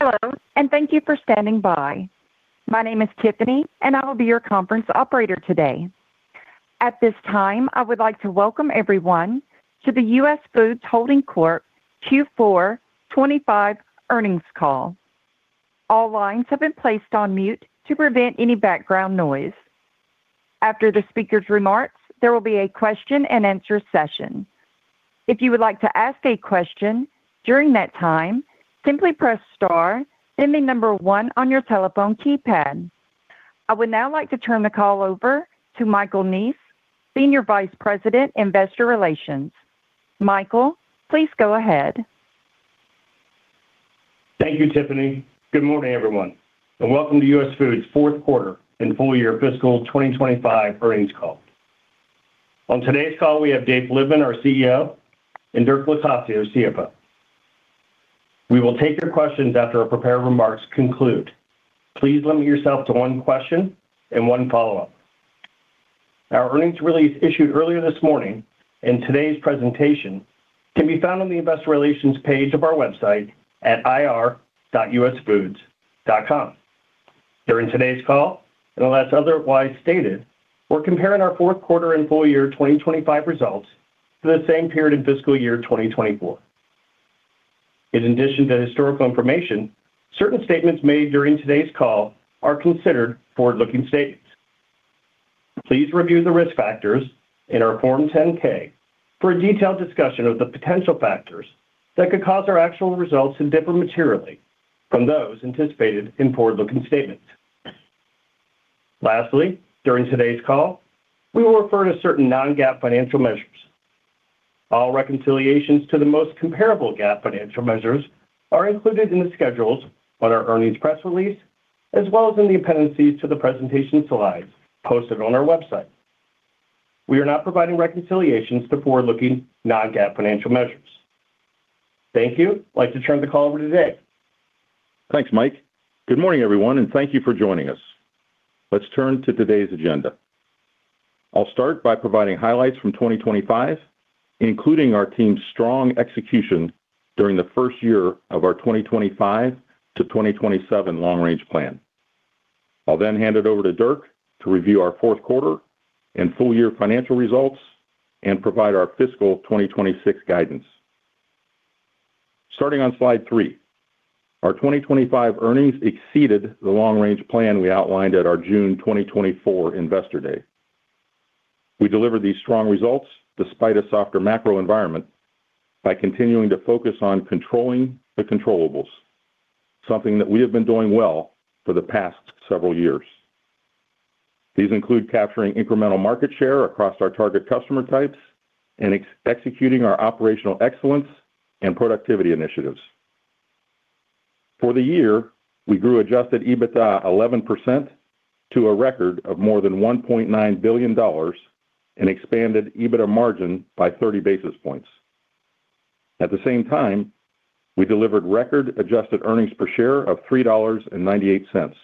Hello, and thank you for standing by. My name is Tiffany, and I will be your conference operator today. At this time, I would like to welcome everyone to the US Foods Holding Corp. Q4 2025 earnings call. All lines have been placed on mute to prevent any background noise. After the speaker's remarks, there will be a question-and-answer session. If you would like to ask a question during that time, simply press star, then the number one on your telephone keypad. I would now like to turn the call over to Michael Neese, Senior Vice President, Investor Relations. Michael, please go ahead. Thank you, Tiffany. Good morning, everyone, and welcome to US Foods fourth quarter and full year fiscal 2025 earnings call. On today's call, we have Dave Flitman, our CEO, and Dirk Locascio, our CFO. We will take your questions after our prepared remarks conclude. Please limit yourself to one question and one follow-up. Our earnings release issued earlier this morning, and today's presentation can be found on the investor relations page of our website at ir.usfoods.com. During today's call, unless otherwise stated, we're comparing our fourth quarter and full year 2025 results to the same period in fiscal year 2024. In addition to historical information, certain statements made during today's call are considered forward-looking statements. Please review the risk factors in our Form 10-K for a detailed discussion of the potential factors that could cause our actual results to differ materially from those anticipated in forward-looking statements. Lastly, during today's call, we will refer to certain non-GAAP financial measures. All reconciliations to the most comparable GAAP financial measures are included in the schedules on our earnings press release, as well as in the appendices to the presentation slides posted on our website. We are not providing reconciliations to forward-looking non-GAAP financial measures. Thank you. I'd like to turn the call over to Dave. Thanks, Mike. Good morning, everyone, and thank you for joining us. Let's turn to today's agenda. I'll start by providing highlights from 2025, including our team's strong execution during the first year of our 2025 to 2027 long range plan. I'll then hand it over to Dirk to review our fourth quarter and full year financial results and provide our fiscal 2026 guidance. Starting on slide three, our 2025 earnings exceeded the long range plan we outlined at our June 2024 Investor Day. We delivered these strong results despite a softer macro environment by continuing to focus on controlling the controllables, something that we have been doing well for the past several years. These include capturing incremental market share across our target customer types and executing our operational excellence and productivity initiatives. For the year, we grew adjusted EBITDA 11% to a record of more than $1.9 billion and expanded EBITDA margin by 30 basis points. At the same time, we delivered record adjusted earnings per share of $3.98.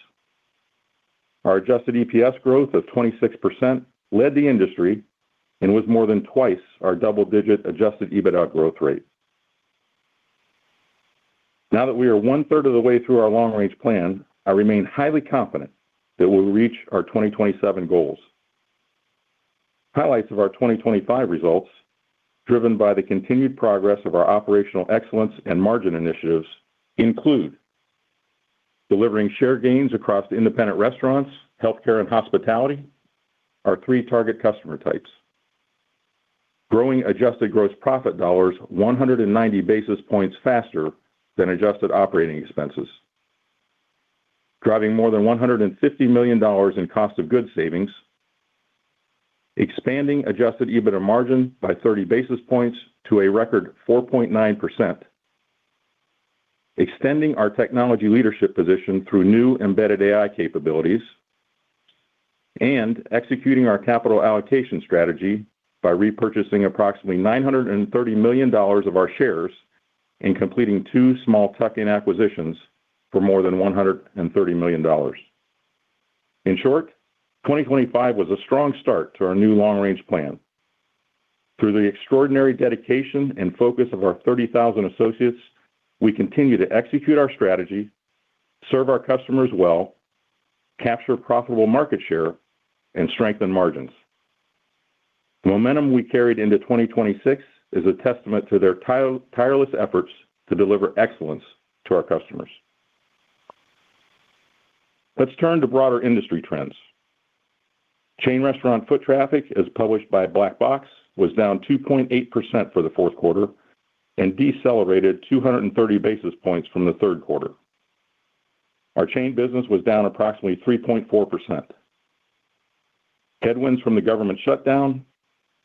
Our adjusted EPS growth of 26% led the industry and was more than twice our double-digit adjusted EBITDA growth rate. Now that we are one-third of the way through our long-range plan, I remain highly confident that we'll reach our 2027 goals. Highlights of our 2025 results, driven by the continued progress of our operational excellence and margin initiatives, include delivering share gains across independent restaurants, healthcare, and hospitality, our three target customer types. Growing adjusted gross profit dollars 190 basis points faster than adjusted operating expenses, driving more than $150 million in cost of goods savings, expanding adjusted EBITDA margin by 30 basis points to a record 4.9%, extending our technology leadership position through new embedded AI capabilities, and executing our capital allocation strategy by repurchasing approximately $930 million of our shares and completing two small tuck-in acquisitions for more than $130 million. In short, 2025 was a strong start to our new long-range plan. Through the extraordinary dedication and focus of our 30,000 associates, we continue to execute our strategy, serve our customers well, capture profitable market share, and strengthen margins. The momentum we carried into 2026 is a testament to their tireless efforts to deliver excellence to our customers. Let's turn to broader industry trends. Chain restaurant foot traffic, as published by Black Box, was down 2.8% for the fourth quarter and decelerated 230 basis points from the third quarter. Our chain business was down approximately 3.4%. Headwinds from the government shutdown,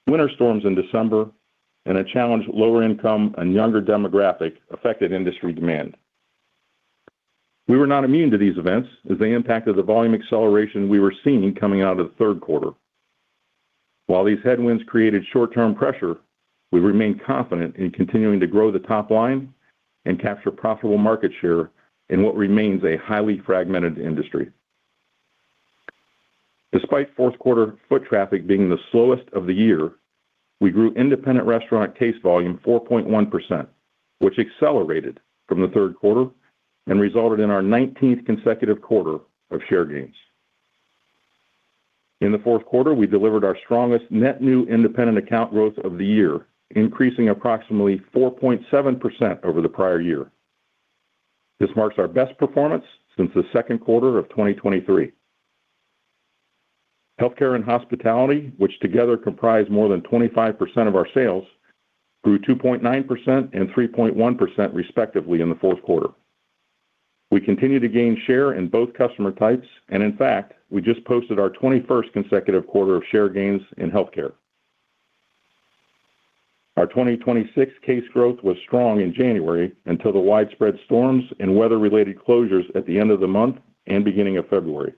winter storms in December, and a challenged lower income and younger demographic affected industry demand. We were not immune to these events as they impacted the volume acceleration we were seeing coming out of the third quarter. While these headwinds created short-term pressure, we remain confident in continuing to grow the top line and capture profitable market share in what remains a highly fragmented industry. Despite fourth quarter foot traffic being the slowest of the year, we grew independent restaurant case volume 4.1%, which accelerated from the third quarter and resulted in our 19th consecutive quarter of share gains. In the fourth quarter, we delivered our strongest net new independent account growth of the year, increasing approximately 4.7% over the prior year. This marks our best performance since the second quarter of 2023. Healthcare and hospitality, which together comprise more than 25% of our sales, grew 2.9% and 3.1%, respectively, in the fourth quarter. We continue to gain share in both customer types, and in fact, we just posted our 21st consecutive quarter of share gains in healthcare. Our 2026 case growth was strong in January until the widespread storms and weather-related closures at the end of the month and beginning of February.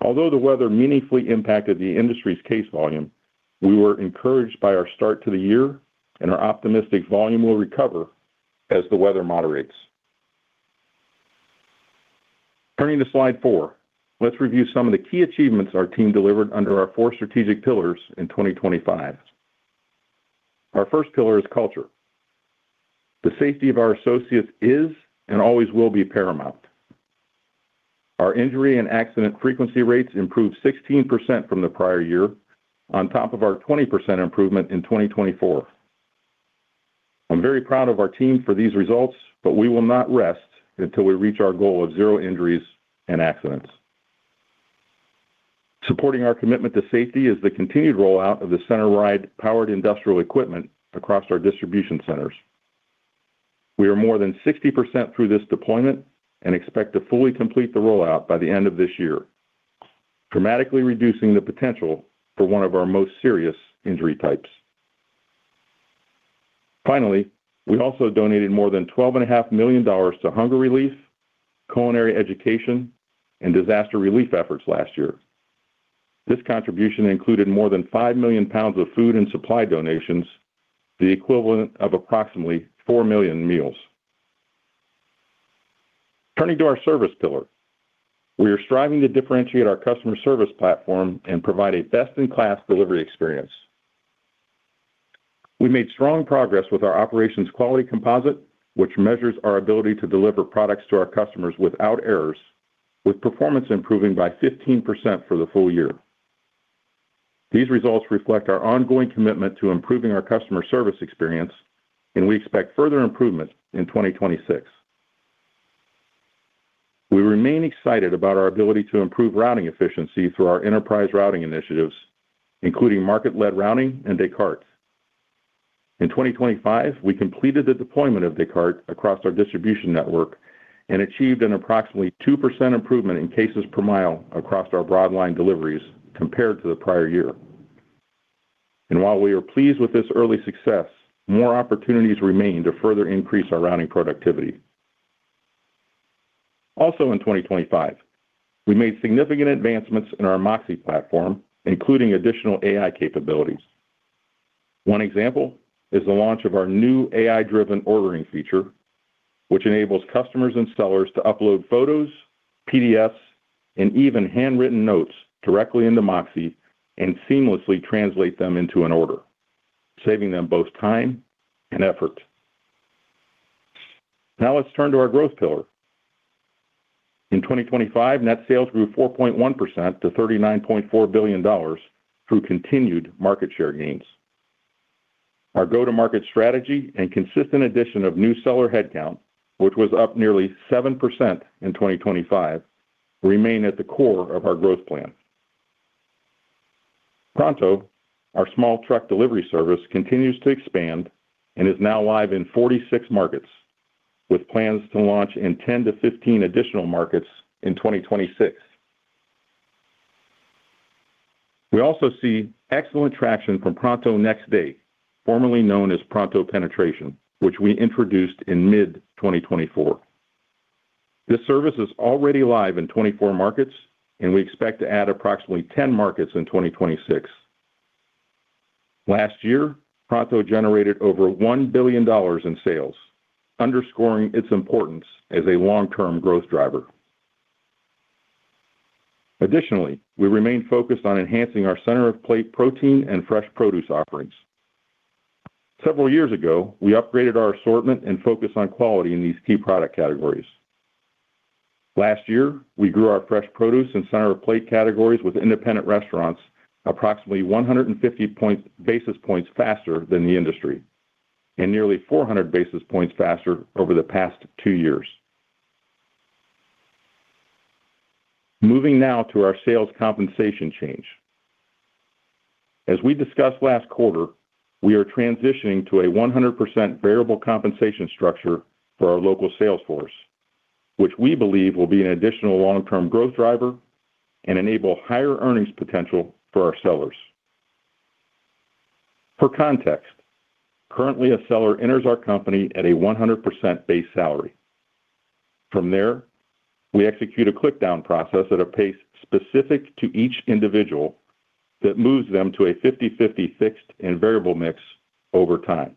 Although the weather meaningfully impacted the industry's case volume, we were encouraged by our start to the year and are optimistic volume will recover as the weather moderates. Turning to slide four, let's review some of the key achievements our team delivered under our four strategic pillars in 2025. Our first pillar is culture. The safety of our associates is, and always will be, paramount. Our injury and accident frequency rates improved 16% from the prior year on top of our 20% improvement in 2024. I'm very proud of our team for these results, but we will not rest until we reach our goal of zero injuries and accidents. Supporting our commitment to safety is the continued rollout of the center rider powered industrial equipment across our distribution centers. We are more than 60% through this deployment and expect to fully complete the rollout by the end of this year, dramatically reducing the potential for one of our most serious injury types. Finally, we also donated more than $12.5 million to hunger relief, culinary education, and disaster relief efforts last year. This contribution included more than 5 million pounds of food and supply donations, the equivalent of approximately 4 million meals. Turning to our service pillar. We are striving to differentiate our customer service platform and provide a best-in-class delivery experience. We made strong progress with our operations quality composite, which measures our ability to deliver products to our customers without errors, with performance improving by 15% for the full year. These results reflect our ongoing commitment to improving our customer service experience, and we expect further improvements in 2026. We remain excited about our ability to improve routing efficiency through our enterprise routing initiatives, including market-led routing and Descartes. In 2025, we completed the deployment of Descartes across our distribution network and achieved an approximately 2% improvement in cases per mile across our broadline deliveries compared to the prior year. And while we are pleased with this early success, more opportunities remain to further increase our routing productivity. Also, in 2025, we made significant advancements in our MOXē platform, including additional AI capabilities. One example is the launch of our new AI-driven ordering feature, which enables customers and sellers to upload photos, PDFs, and even handwritten notes directly into MOXē and seamlessly translate them into an order, saving them both time and effort. Now, let's turn to our growth pillar. In 2025, net sales grew 4.1% to $39.4 billion through continued market share gains. Our go-to-market strategy and consistent addition of new seller headcount, which was up nearly 7% in 2025, remain at the core of our growth plan. Pronto, our small truck delivery service, continues to expand and is now live in 46 markets, with plans to launch in 10-15 additional markets in 2026. We also see excellent traction from Pronto Next Day, formerly known as Pronto Penetration, which we introduced in mid-2024. This service is already live in 24 markets, and we expect to add approximately 10 markets in 2026. Last year, Pronto generated over $1 billion in sales, underscoring its importance as a long-term growth driver. Additionally, we remain focused on enhancing our center-of-plate protein and fresh produce offerings. Several years ago, we upgraded our assortment and focus on quality in these key product categories. Last year, we grew our fresh produce and center-of-plate categories with independent restaurants, approximately 150 basis points faster than the industry, and nearly 400 basis points faster over the past two years. Moving now to our sales compensation change. As we discussed last quarter, we are transitioning to a 100% variable compensation structure for our local sales force, which we believe will be an additional long-term growth driver and enable higher earnings potential for our sellers. For context, currently, a seller enters our company at a 100% base salary. From there, we execute a click down process at a pace specific to each individual that moves them to a 50/50 fixed and variable mix over time...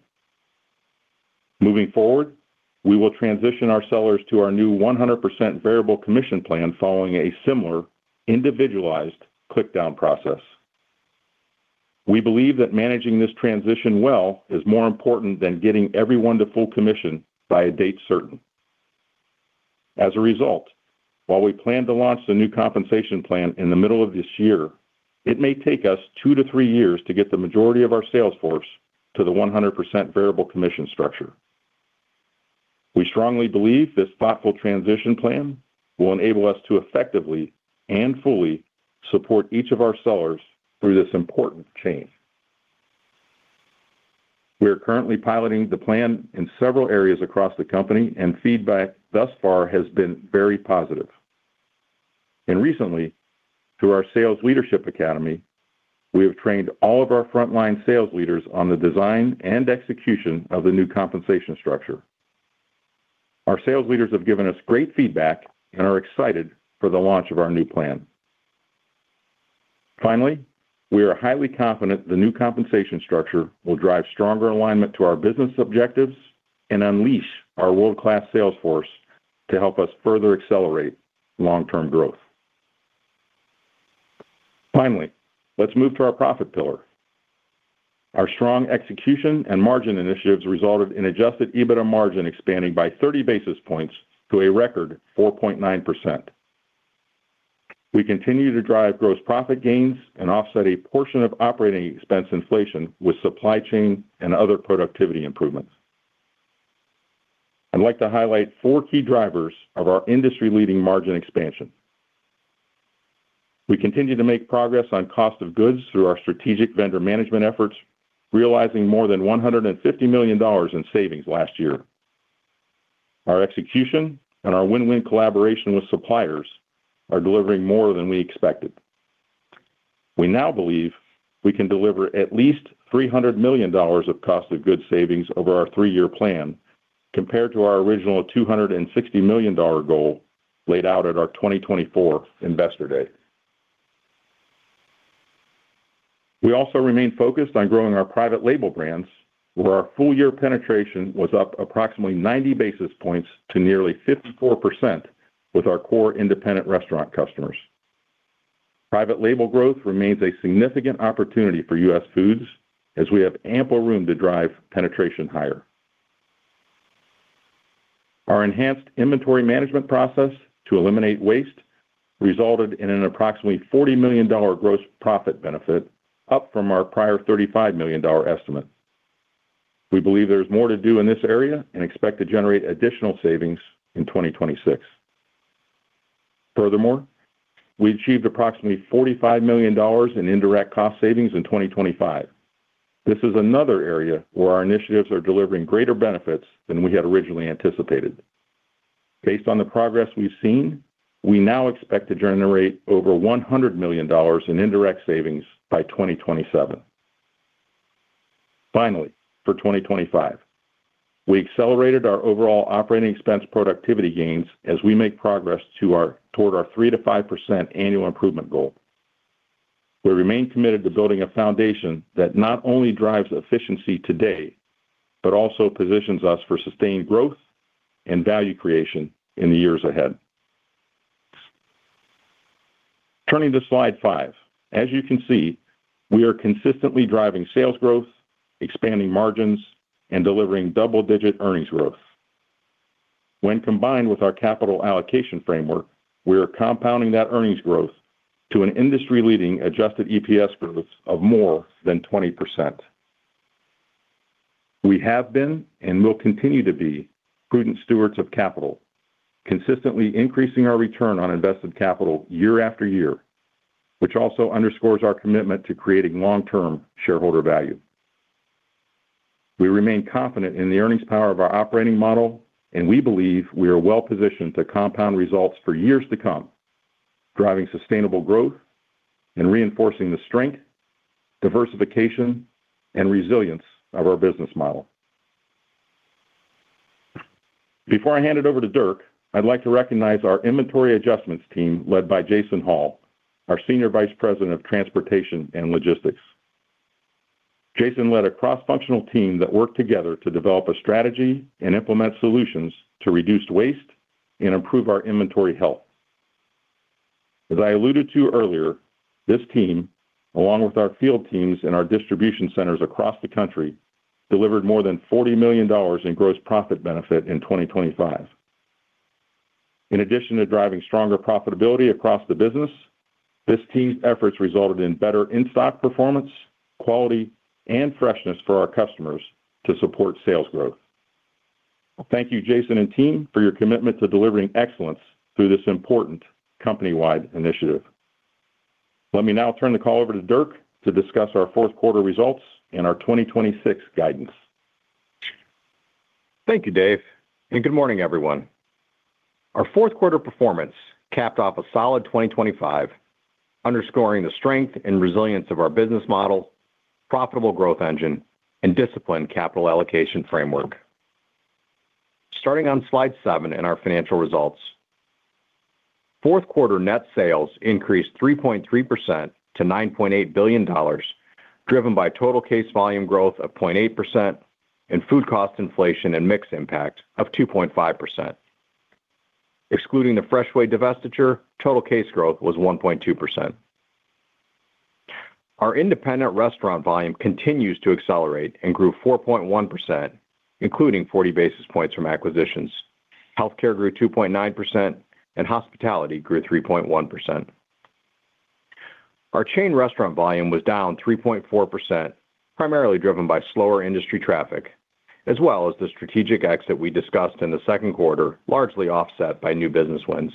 Moving forward, we will transition our sellers to our new 100% variable commission plan following a similar individualized click down process. We believe that managing this transition well is more important than getting everyone to full commission by a date certain. As a result, while we plan to launch the new compensation plan in the middle of this year, it may take us 2-3 years to get the majority of our sales force to the 100% variable commission structure. We strongly believe this thoughtful transition plan will enable us to effectively and fully support each of our sellers through this important change. We are currently piloting the plan in several areas across the company, and feedback thus far has been very positive. Recently, through our Sales Leadership Academy, we have trained all of our frontline sales leaders on the design and execution of the new compensation structure. Our sales leaders have given us great feedback and are excited for the launch of our new plan. Finally, we are highly confident the new compensation structure will drive stronger alignment to our business objectives and unleash our world-class sales force to help us further accelerate long-term growth. Finally, let's move to our profit pillar. Our strong execution and margin initiatives resulted in adjusted EBITDA margin expanding by 30 basis points to a record 4.9%. We continue to drive gross profit gains and offset a portion of operating expense inflation with supply chain and other productivity improvements. I'd like to highlight four key drivers of our industry-leading margin expansion. We continue to make progress on cost of goods through our strategic vendor management efforts, realizing more than $150 million in savings last year. Our execution and our win-win collaboration with suppliers are delivering more than we expected. We now believe we can deliver at least $300 million of cost of goods savings over our three-year plan, compared to our original $260 million goal laid out at our 2024 Investor Day. We also remain focused on growing our private label brands, where our full year penetration was up approximately 90 basis points to nearly 54% with our core independent restaurant customers. Private label growth remains a significant opportunity for US Foods as we have ample room to drive penetration higher. Our enhanced inventory management process to eliminate waste resulted in an approximately $40 million gross profit benefit, up from our prior $35 million estimate. We believe there's more to do in this area and expect to generate additional savings in 2026. Furthermore, we achieved approximately $45 million in indirect cost savings in 2025. This is another area where our initiatives are delivering greater benefits than we had originally anticipated. Based on the progress we've seen, we now expect to generate over $100 million in indirect savings by 2027. Finally, for 2025, we accelerated our overall operating expense productivity gains as we make progress toward our 3%-5% annual improvement goal. We remain committed to building a foundation that not only drives efficiency today, but also positions us for sustained growth and value creation in the years ahead. Turning to slide five. As you can see, we are consistently driving sales growth, expanding margins, and delivering double-digit earnings growth. When combined with our capital allocation framework, we are compounding that earnings growth to an industry-leading adjusted EPS growth of more than 20%. We have been and will continue to be prudent stewards of capital, consistently increasing our return on invested capital year after year, which also underscores our commitment to creating long-term shareholder value. We remain confident in the earnings power of our operating model, and we believe we are well positioned to compound results for years to come, driving sustainable growth and reinforcing the strength, diversification, and resilience of our business model. Before I hand it over to Dirk, I'd like to recognize our inventory adjustments team, led by Jason Hall, our Senior Vice President of Transportation and Logistics. Jason led a cross-functional team that worked together to develop a strategy and implement solutions to reduce waste and improve our inventory health. As I alluded to earlier, this team, along with our field teams and our distribution centers across the country, delivered more than $40 million in gross profit benefit in 2025. In addition to driving stronger profitability across the business, this team's efforts resulted in better in-stock performance, quality, and freshness for our customers to support sales growth. Thank you, Jason and team, for your commitment to delivering excellence through this important company-wide initiative. Let me now turn the call over to Dirk to discuss our fourth quarter results and our 2026 guidance. Thank you, Dave, and good morning, everyone. Our fourth quarter performance capped off a solid 2025, underscoring the strength and resilience of our business model, profitable growth engine, and disciplined capital allocation framework. Starting on slide seven in our financial results. Fourth quarter net sales increased 3.3% to $9.8 billion, driven by total case volume growth of 0.8% and food cost inflation and mix impact of 2.5%. Excluding the Freshway divestiture, total case growth was 1.2%. Our independent restaurant volume continues to accelerate and grew 4.1%, including 40 basis points from acquisitions. Healthcare grew 2.9% and hospitality grew 3.1%. Our chain restaurant volume was down 3.4%, primarily driven by slower industry traffic, as well as the strategic exit we discussed in the second quarter, largely offset by new business wins.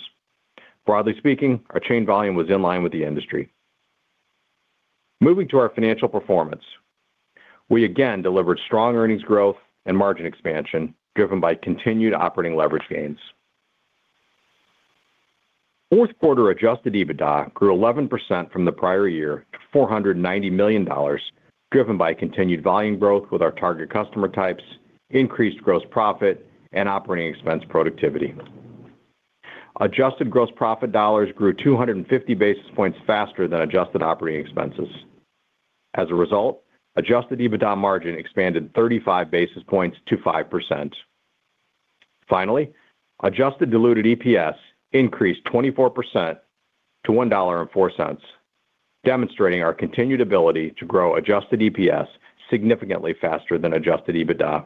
Broadly speaking, our chain volume was in line with the industry. Moving to our financial performance, we again delivered strong earnings growth and margin expansion, driven by continued operating leverage gains. Fourth quarter adjusted EBITDA grew 11% from the prior year to $490 million, driven by continued volume growth with our target customer types, increased gross profit and operating expense productivity. Adjusted gross profit dollars grew 250 basis points faster than adjusted operating expenses. As a result, adjusted EBITDA margin expanded 35 basis points to 5%. Finally, adjusted diluted EPS increased 24% to $1.04, demonstrating our continued ability to grow adjusted EPS significantly faster than adjusted EBITDA.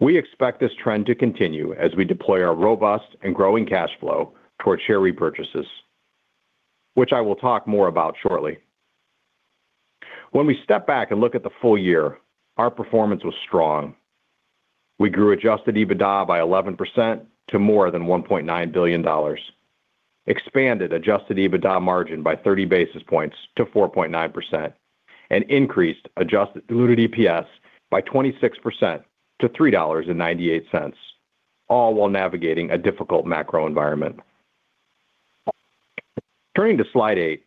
We expect this trend to continue as we deploy our robust and growing cash flow towards share repurchases, which I will talk more about shortly. When we step back and look at the full year, our performance was strong. We grew adjusted EBITDA by 11% to more than $1.9 billion, expanded adjusted EBITDA margin by 30 basis points to 4.9%, and increased adjusted diluted EPS by 26% to $3.98, all while navigating a difficult macro environment. Turning to Slide 8,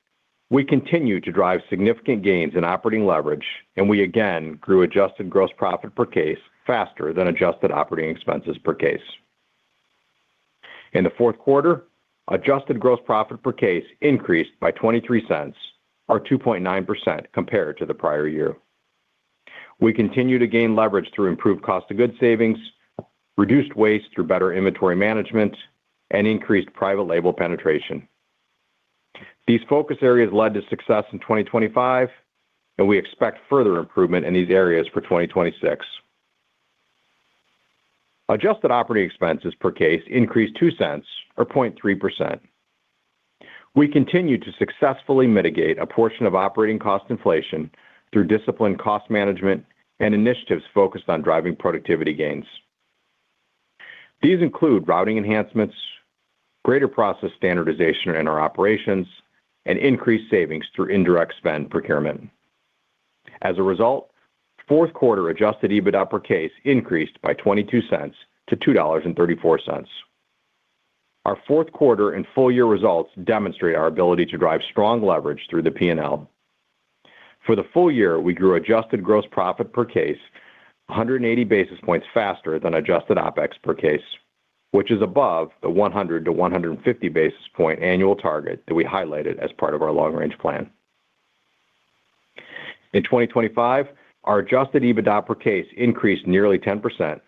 we continue to drive significant gains in operating leverage, and we again grew adjusted gross profit per case faster than adjusted operating expenses per case. In the fourth quarter, adjusted gross profit per case increased by $0.23, or 2.9% compared to the prior year. We continue to gain leverage through improved cost of goods savings, reduced waste through better inventory management, and increased private label penetration. These focus areas led to success in 2025, and we expect further improvement in these areas for 2026. Adjusted operating expenses per case increased $0.02 or 0.3%. We continue to successfully mitigate a portion of operating cost inflation through disciplined cost management and initiatives focused on driving productivity gains. These include routing enhancements, greater process standardization in our operations, and increased savings through indirect spend procurement. As a result, fourth quarter adjusted EBITDA per case increased by $0.22 to $2.34. Our fourth quarter and full year results demonstrate our ability to drive strong leverage through the P&L. For the full year, we grew adjusted gross profit per case 180 basis points faster than adjusted OpEx per case, which is above the 100-150 basis point annual target that we highlighted as part of our long-range plan. In 2025, our adjusted EBITDA per case increased nearly 10%.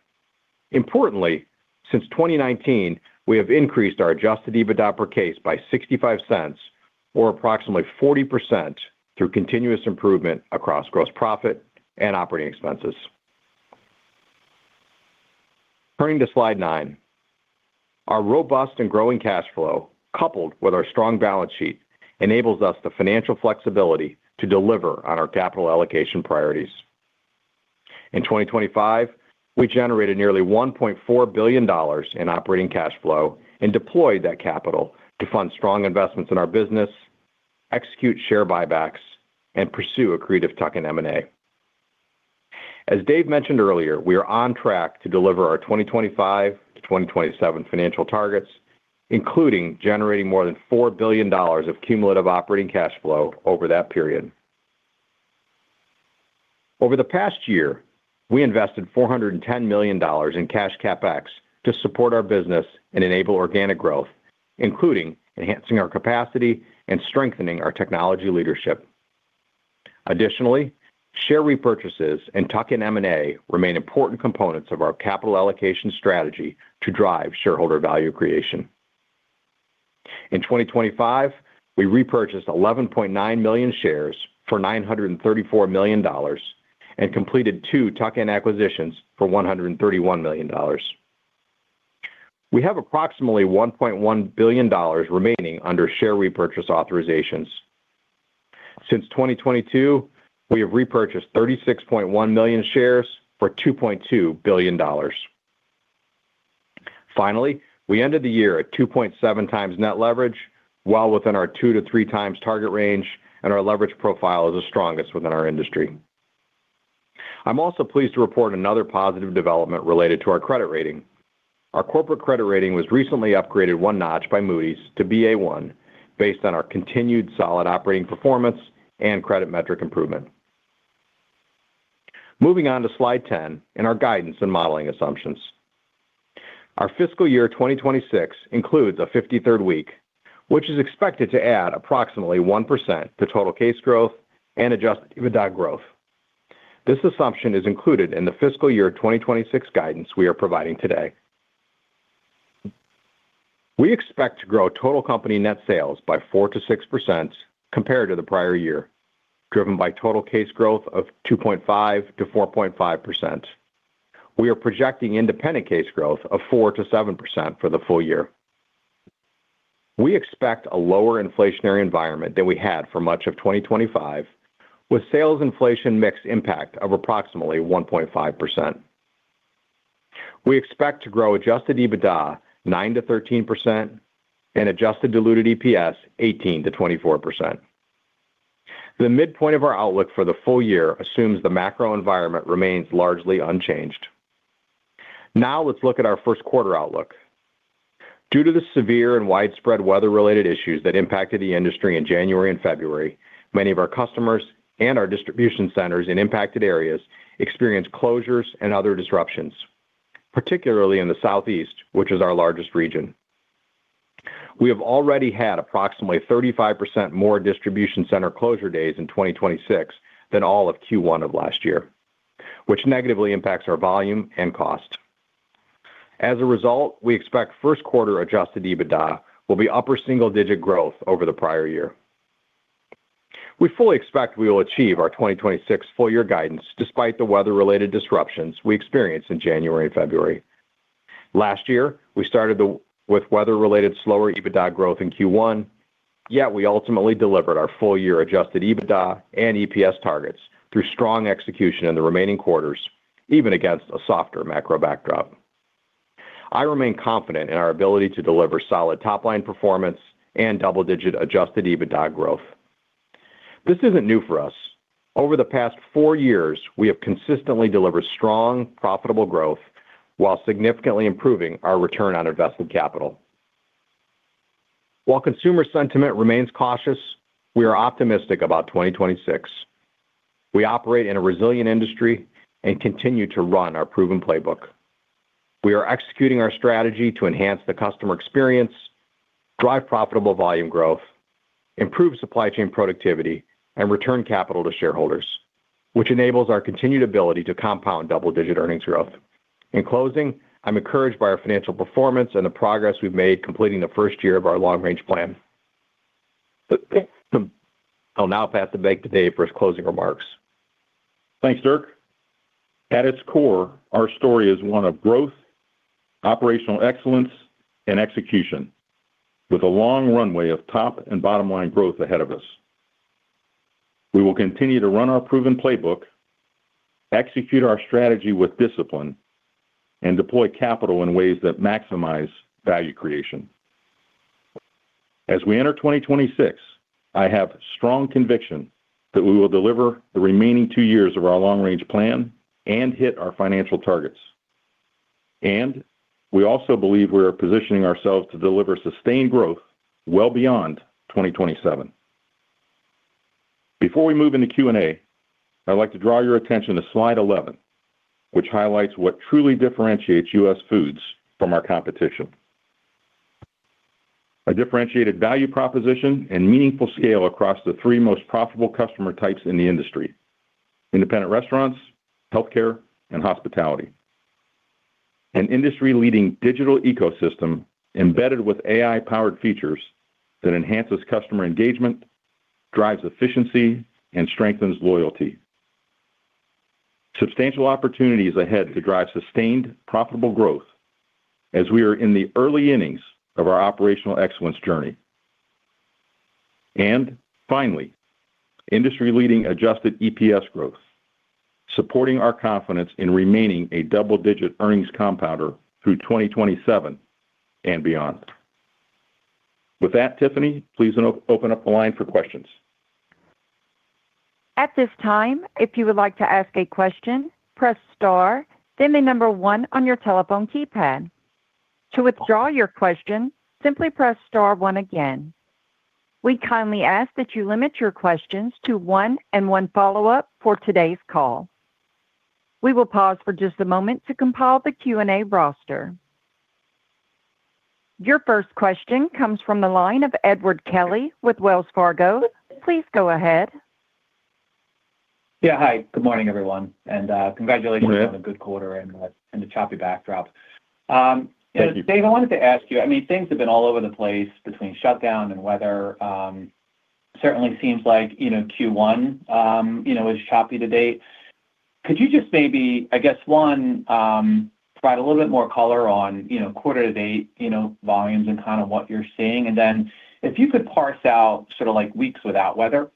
Importantly, since 2019, we have increased our adjusted EBITDA per case by $0.65, or approximately 40%, through continuous improvement across gross profit and operating expenses. Turning to slide nine our robust and growing cash flow, coupled with our strong balance sheet, enables us the financial flexibility to deliver on our capital allocation priorities. In 2025, we generated nearly $1.4 billion in operating cash flow and deployed that capital to fund strong investments in our business, execute share buybacks, and pursue accretive tuck-in M&A. As Dave mentioned earlier, we are on track to deliver our 2025-2027 financial targets, including generating more than $4 billion of cumulative operating cash flow over that period. Over the past year, we invested $410 million in cash CapEx to support our business and enable organic growth, including enhancing our capacity and strengthening our technology leadership. Additionally, share repurchases and tuck-in M&A remain important components of our capital allocation strategy to drive shareholder value creation. In 2025, we repurchased 11.9 million shares for $934 million and completed two tuck-in acquisitions for $131 million. We have approximately $1.1 billion remaining under share repurchase authorizations. Since 2022, we have repurchased 36.1 million shares for $2.2 billion. Finally, we ended the year at 2.7 times net leverage, well within our 2-3 times target range, and our leverage profile is the strongest within our industry. I'm also pleased to report another positive development related to our credit rating. Our corporate credit rating was recently upgraded 1 notch by Moody's to Ba1, based on our continued solid operating performance and credit metric improvement. Moving on to slide 10 and our guidance and modeling assumptions. Our fiscal year 2026 includes a 53rd week, which is expected to add approximately 1% to total case growth and adjusted EBITDA growth. This assumption is included in the fiscal year 2026 guidance we are providing today. We expect to grow total company net sales by 4%-6% compared to the prior year, driven by total case growth of 2.5%-4.5%. We are projecting independent case growth of 4%-7% for the full year. We expect a lower inflationary environment than we had for much of 2025, with sales inflation mix impact of approximately 1.5%. We expect to grow adjusted EBITDA 9%-13% and adjusted diluted EPS 18%-24%. The midpoint of our outlook for the full year assumes the macro environment remains largely unchanged. Now let's look at our first quarter outlook. Due to the severe and widespread weather-related issues that impacted the industry in January and February, many of our customers and our distribution centers in impacted areas experienced closures and other disruptions, particularly in the Southeast, which is our largest region. We have already had approximately 35% more distribution center closure days in 2026 than all of Q1 of last year, which negatively impacts our volume and cost. As a result, we expect first-quarter adjusted EBITDA will be upper single-digit growth over the prior year. We fully expect we will achieve our 2026 full-year guidance despite the weather-related disruptions we experienced in January and February. Last year, we started with weather-related slower EBITDA growth in Q1, yet we ultimately delivered our full-year adjusted EBITDA and EPS targets through strong execution in the remaining quarters, even against a softer macro backdrop. I remain confident in our ability to deliver solid top-line performance and double-digit adjusted EBITDA growth. This isn't new for us. Over the past four years, we have consistently delivered strong, profitable growth while significantly improving our return on invested capital. While consumer sentiment remains cautious, we are optimistic about 2026. We operate in a resilient industry and continue to run our proven playbook. We are executing our strategy to enhance the customer experience, drive profitable volume growth, improve supply chain productivity, and return capital to shareholders, which enables our continued ability to compound double-digit earnings growth. In closing, I'm encouraged by our financial performance and the progress we've made completing the first year of our long-range plan. I'll now pass it back to Dave for his closing remarks. Thanks, Dirk. At its core, our story is one of growth, operational excellence, and execution, with a long runway of top and bottom line growth ahead of us. We will continue to run our proven playbook, execute our strategy with discipline, and deploy capital in ways that maximize value creation. As we enter 2026, I have strong conviction that we will deliver the remaining two years of our long-range plan and hit our financial targets. We also believe we are positioning ourselves to deliver sustained growth well beyond 2027. Before we move into Q&A, I'd like to draw your attention to slide 11, which highlights what truly differentiates US Foods from our competition. A differentiated value proposition and meaningful scale across the three most profitable customer types in the industry: independent restaurants, healthcare, and hospitality. An industry-leading digital ecosystem embedded with AI-powered features that enhances customer engagement, drives efficiency, and strengthens loyalty. Substantial opportunities ahead to drive sustained, profitable growth as we are in the early innings of our operational excellence journey. And finally, industry-leading adjusted EPS growth, supporting our confidence in remaining a double-digit earnings compounder through 2027 and beyond. With that, Tiffany, please open up the line for questions. At this time, if you would like to ask a question, press star, then the number one on your telephone keypad. To withdraw your question, simply press star one again. We kindly ask that you limit your questions to one and one follow-up for today's call. We will pause for just a moment to compile the Q&A roster. Your first question comes from the line of Edward Kelly with Wells Fargo. Please go ahead. Yeah. Hi, good morning, everyone, and congratulations. Good morning. On a good quarter and the choppy backdrop. Thank you. Dave, I wanted to ask you, I mean, things have been all over the place between shutdown and weather. Certainly seems like, you know, Q1, you know, is choppy to date. Could you just maybe, I guess, one, provide a little bit more color on, you know, quarter to date, you know, volumes and kind of what you're seeing? And then if you could parse out sort of like weeks without weather,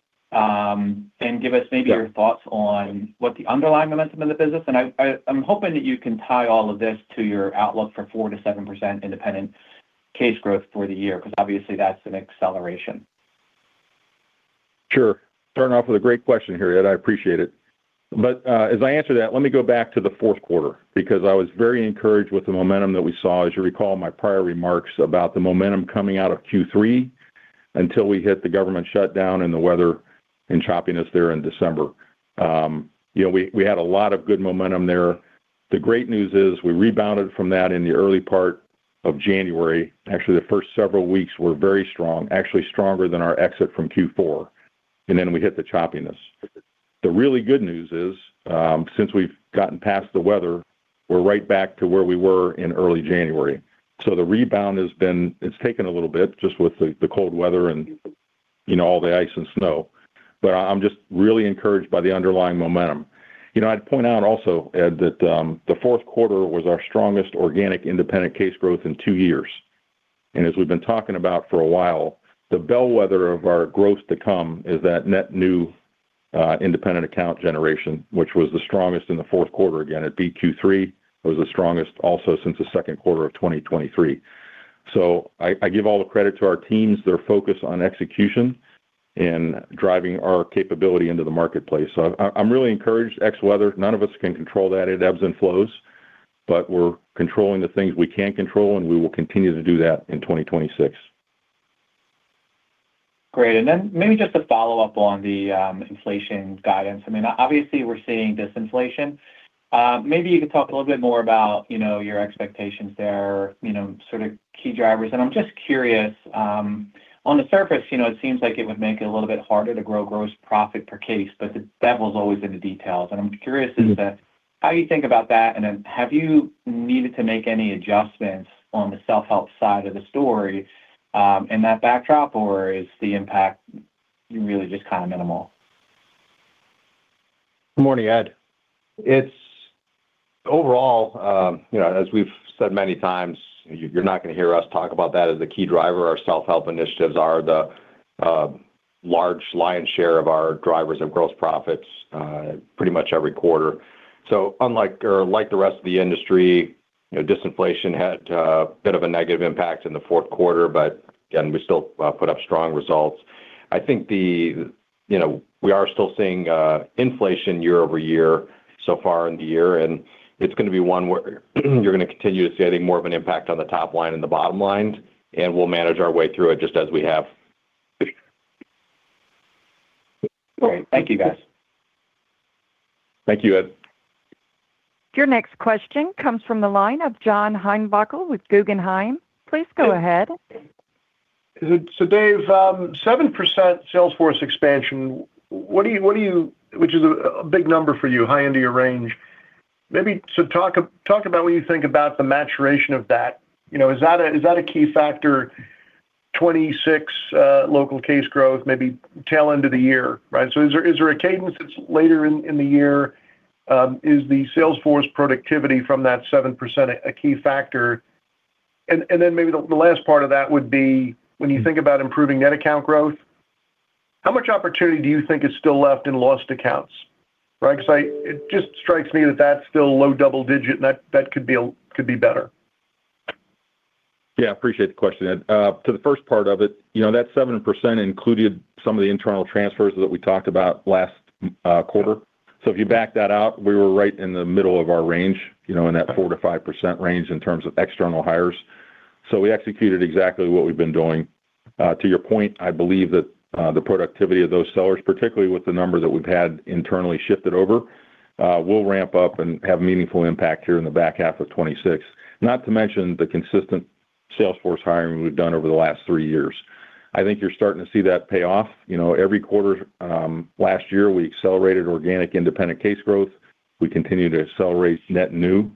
and give us maybe your thoughts on what the underlying momentum of the business. And I'm hoping that you can tie all of this to your outlook for 4%-7% independent case growth for the year, because obviously, that's an acceleration. Sure. Starting off with a great question here, Ed, I appreciate it. But, as I answer that, let me go back to the fourth quarter, because I was very encouraged with the momentum that we saw, as you recall, my prior remarks about the momentum coming out of Q3... until we hit the government shutdown and the weather and choppiness there in December. You know, we had a lot of good momentum there. The great news is we rebounded from that in the early part of January. Actually, the first several weeks were very strong, actually stronger than our exit from Q4, and then we hit the choppiness. The really good news is, since we've gotten past the weather, we're right back to where we were in early January. So the rebound has been. It's taken a little bit, just with the cold weather and, you know, all the ice and snow, but I'm just really encouraged by the underlying momentum. You know, I'd point out also, Ed, that the fourth quarter was our strongest organic independent case growth in two years. And as we've been talking about for a while, the bellwether of our growth to come is that net new independent account generation, which was the strongest in the fourth quarter. Again, it beat Q3. It was the strongest also since the second quarter of 2023. So I give all the credit to our teams, their focus on execution and driving our capability into the marketplace. So I'm really encouraged. Ex-weather, none of us can control that. It ebbs and flows, but we're controlling the things we can control, and we will continue to do that in 2026. Great. And then maybe just a follow-up on the inflation guidance. I mean, obviously, we're seeing disinflation. Maybe you could talk a little bit more about, you know, your expectations there, you know, sort of key drivers. And I'm just curious, on the surface, you know, it seems like it would make it a little bit harder to grow gross profit per case, but the devil's always in the details. And I'm curious is that, how you think about that, and then have you needed to make any adjustments on the self-help side of the story, in that backdrop, or is the impact really just kind of minimal? Good morning, Ed. It's overall, you know, as we've said many times, you're not going to hear us talk about that as a key driver. Our self-help initiatives are the large lion's share of our drivers of gross profits, pretty much every quarter. So unlike or like the rest of the industry, you know, disinflation had a bit of a negative impact in the fourth quarter, but again, we still put up strong results. I think the... You know, we are still seeing inflation year-over-year so far in the year, and it's going to be one where you're going to continue to see, I think, more of an impact on the top line and the bottom line, and we'll manage our way through it just as we have. Great. Thank you, guys. Thank you, Ed. Your next question comes from the line of John Heinbockel with Guggenheim. Please go ahead. So, Dave, 7% sales force expansion, what do you—which is a big number for you, high end of your range. Maybe, so talk about what you think about the maturation of that. You know, is that a key factor, 26 local case growth, maybe tail end of the year, right? So is there a cadence that's later in the year, is the sales force productivity from that 7% a key factor? And then maybe the last part of that would be when you think about improving net account growth, how much opportunity do you think is still left in lost accounts, right? Because I... It just strikes me that that's still low double digit, and that could be better. Yeah, I appreciate the question. To the first part of it, you know, that 7% included some of the internal transfers that we talked about last quarter. So if you back that out, we were right in the middle of our range, you know, in that 4%-5% range in terms of external hires. So we executed exactly what we've been doing. To your point, I believe that the productivity of those sellers, particularly with the number that we've had internally shifted over, will ramp up and have a meaningful impact here in the back half of 2026. Not to mention the consistent sales force hiring we've done over the last three years. I think you're starting to see that pay off. You know, every quarter last year, we accelerated organic independent case growth. We continue to accelerate net new,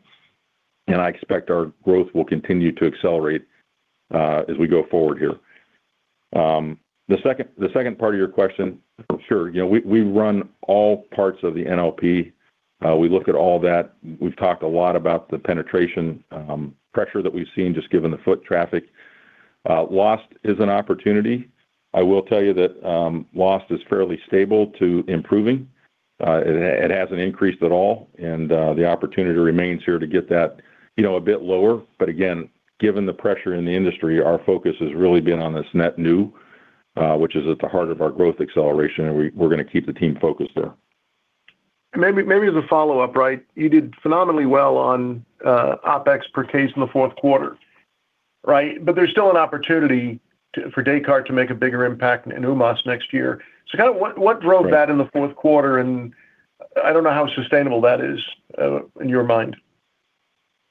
and I expect our growth will continue to accelerate, as we go forward here. The second, the second part of your question, for sure, you know, we, we run all parts of the NLP. We look at all that. We've talked a lot about the penetration, pressure that we've seen, just given the foot traffic. Lost is an opportunity. I will tell you that, lost is fairly stable to improving. It, it hasn't increased at all, and, the opportunity remains here to get that, you know, a bit lower. But again, given the pressure in the industry, our focus has really been on this net new, which is at the heart of our growth acceleration, and we're going to keep the team focused there. Maybe as a follow-up, right? You did phenomenally well on OpEx per case in the fourth quarter, right? But there's still an opportunity to for Descartes to make a bigger impact in UMOS next year. So kind of what drove that in the fourth quarter, and I don't know how sustainable that is in your mind.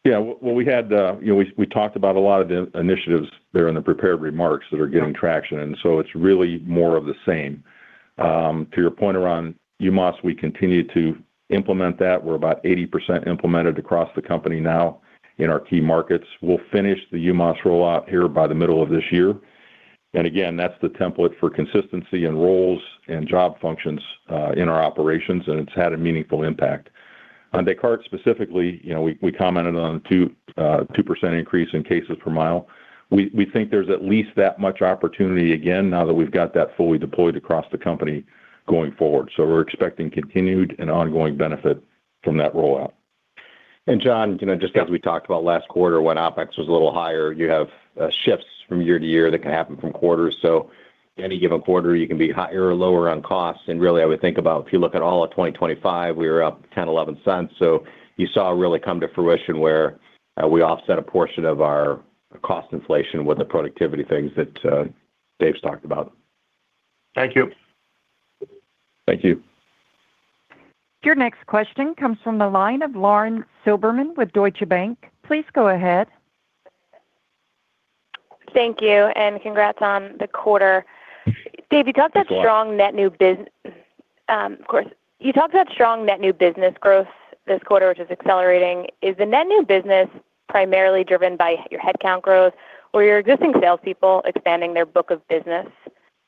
Yeah. Well, we had, you know, we, we talked about a lot of the initiatives there in the prepared remarks that are getting traction, and so it's really more of the same. To your point around UMOS, we continue to implement that. We're about 80% implemented across the company now in our key markets. We'll finish the UMOS rollout here by the middle of this year. And again, that's the template for consistency in roles and job functions in our operations, and it's had a meaningful impact. On Descartes specifically, you know, we, we commented on a 2% increase in cases per mile. We think there's at least that much opportunity again, now that we've got that fully deployed across the company going forward. So we're expecting continued and ongoing benefit from that rollout. And, John, you know, just as we talked about last quarter, when OpEx was a little higher, you have shifts from year to year that can happen from quarter. So any given quarter, you can be higher or lower on costs. And really, I would think about if you look at all of 2025, we were up $0.10-$0.11. So you saw it really come to fruition where we offset a portion of our cost inflation with the productivity things that Dave's talked about. Thank you. Thank you. Your next question comes from the line of Lauren Silberman with Deutsche Bank. Please go ahead. Thank you, and congrats on the quarter. Thanks, Lauren. Dave, you talked about strong net new biz, of course. You talked about strong net new business growth this quarter, which is accelerating. Is the net new business primarily driven by your headcount growth or your existing salespeople expanding their book of business?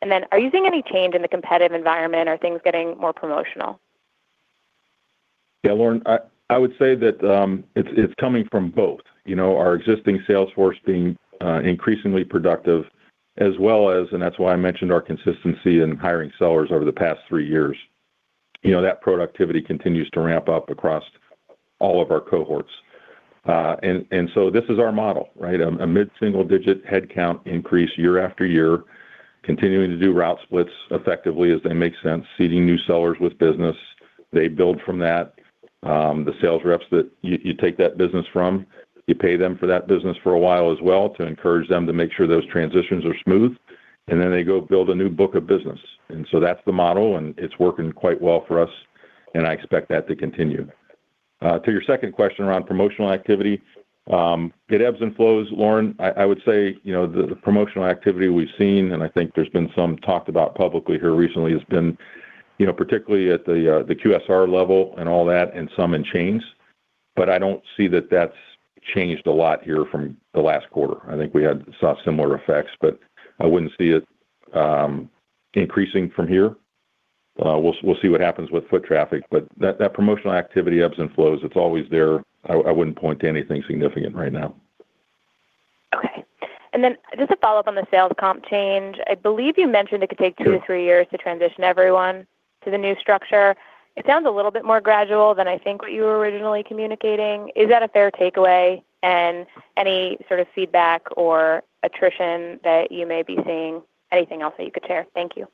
And then are you seeing any change in the competitive environment? Are things getting more promotional? Yeah, Lauren, I would say that it's coming from both, you know, our existing sales force being increasingly productive as well as, and that's why I mentioned our consistency in hiring sellers over the past three years. You know, that productivity continues to ramp up across all of our cohorts. And so this is our model, right? A mid-single-digit headcount increase year after year, continuing to do route splits effectively as they make sense, seeding new sellers with business. They build from that. The sales reps that you take that business from, you pay them for that business for a while as well to encourage them to make sure those transitions are smooth, and then they go build a new book of business. And so that's the model, and it's working quite well for us, and I expect that to continue. To your second question around promotional activity, it ebbs and flows, Lauren. I would say, you know, the promotional activity we've seen, and I think there's been some talked about publicly here recently, has been, you know, particularly at the QSR level and all that and some in chains, but I don't see that that's changed a lot here from the last quarter. I think we had saw similar effects, but I wouldn't see it increasing from here. We'll see what happens with foot traffic, but that promotional activity ebbs and flows. It's always there. I wouldn't point to anything significant right now. Okay. And then just a follow-up on the sales comp change. I believe you mentioned it could take 2-3 years to transition everyone to the new structure. It sounds a little bit more gradual than I think what you were originally communicating. Is that a fair takeaway? And any sort of feedback or attrition that you may be seeing? Anything else that you could share? Thank you.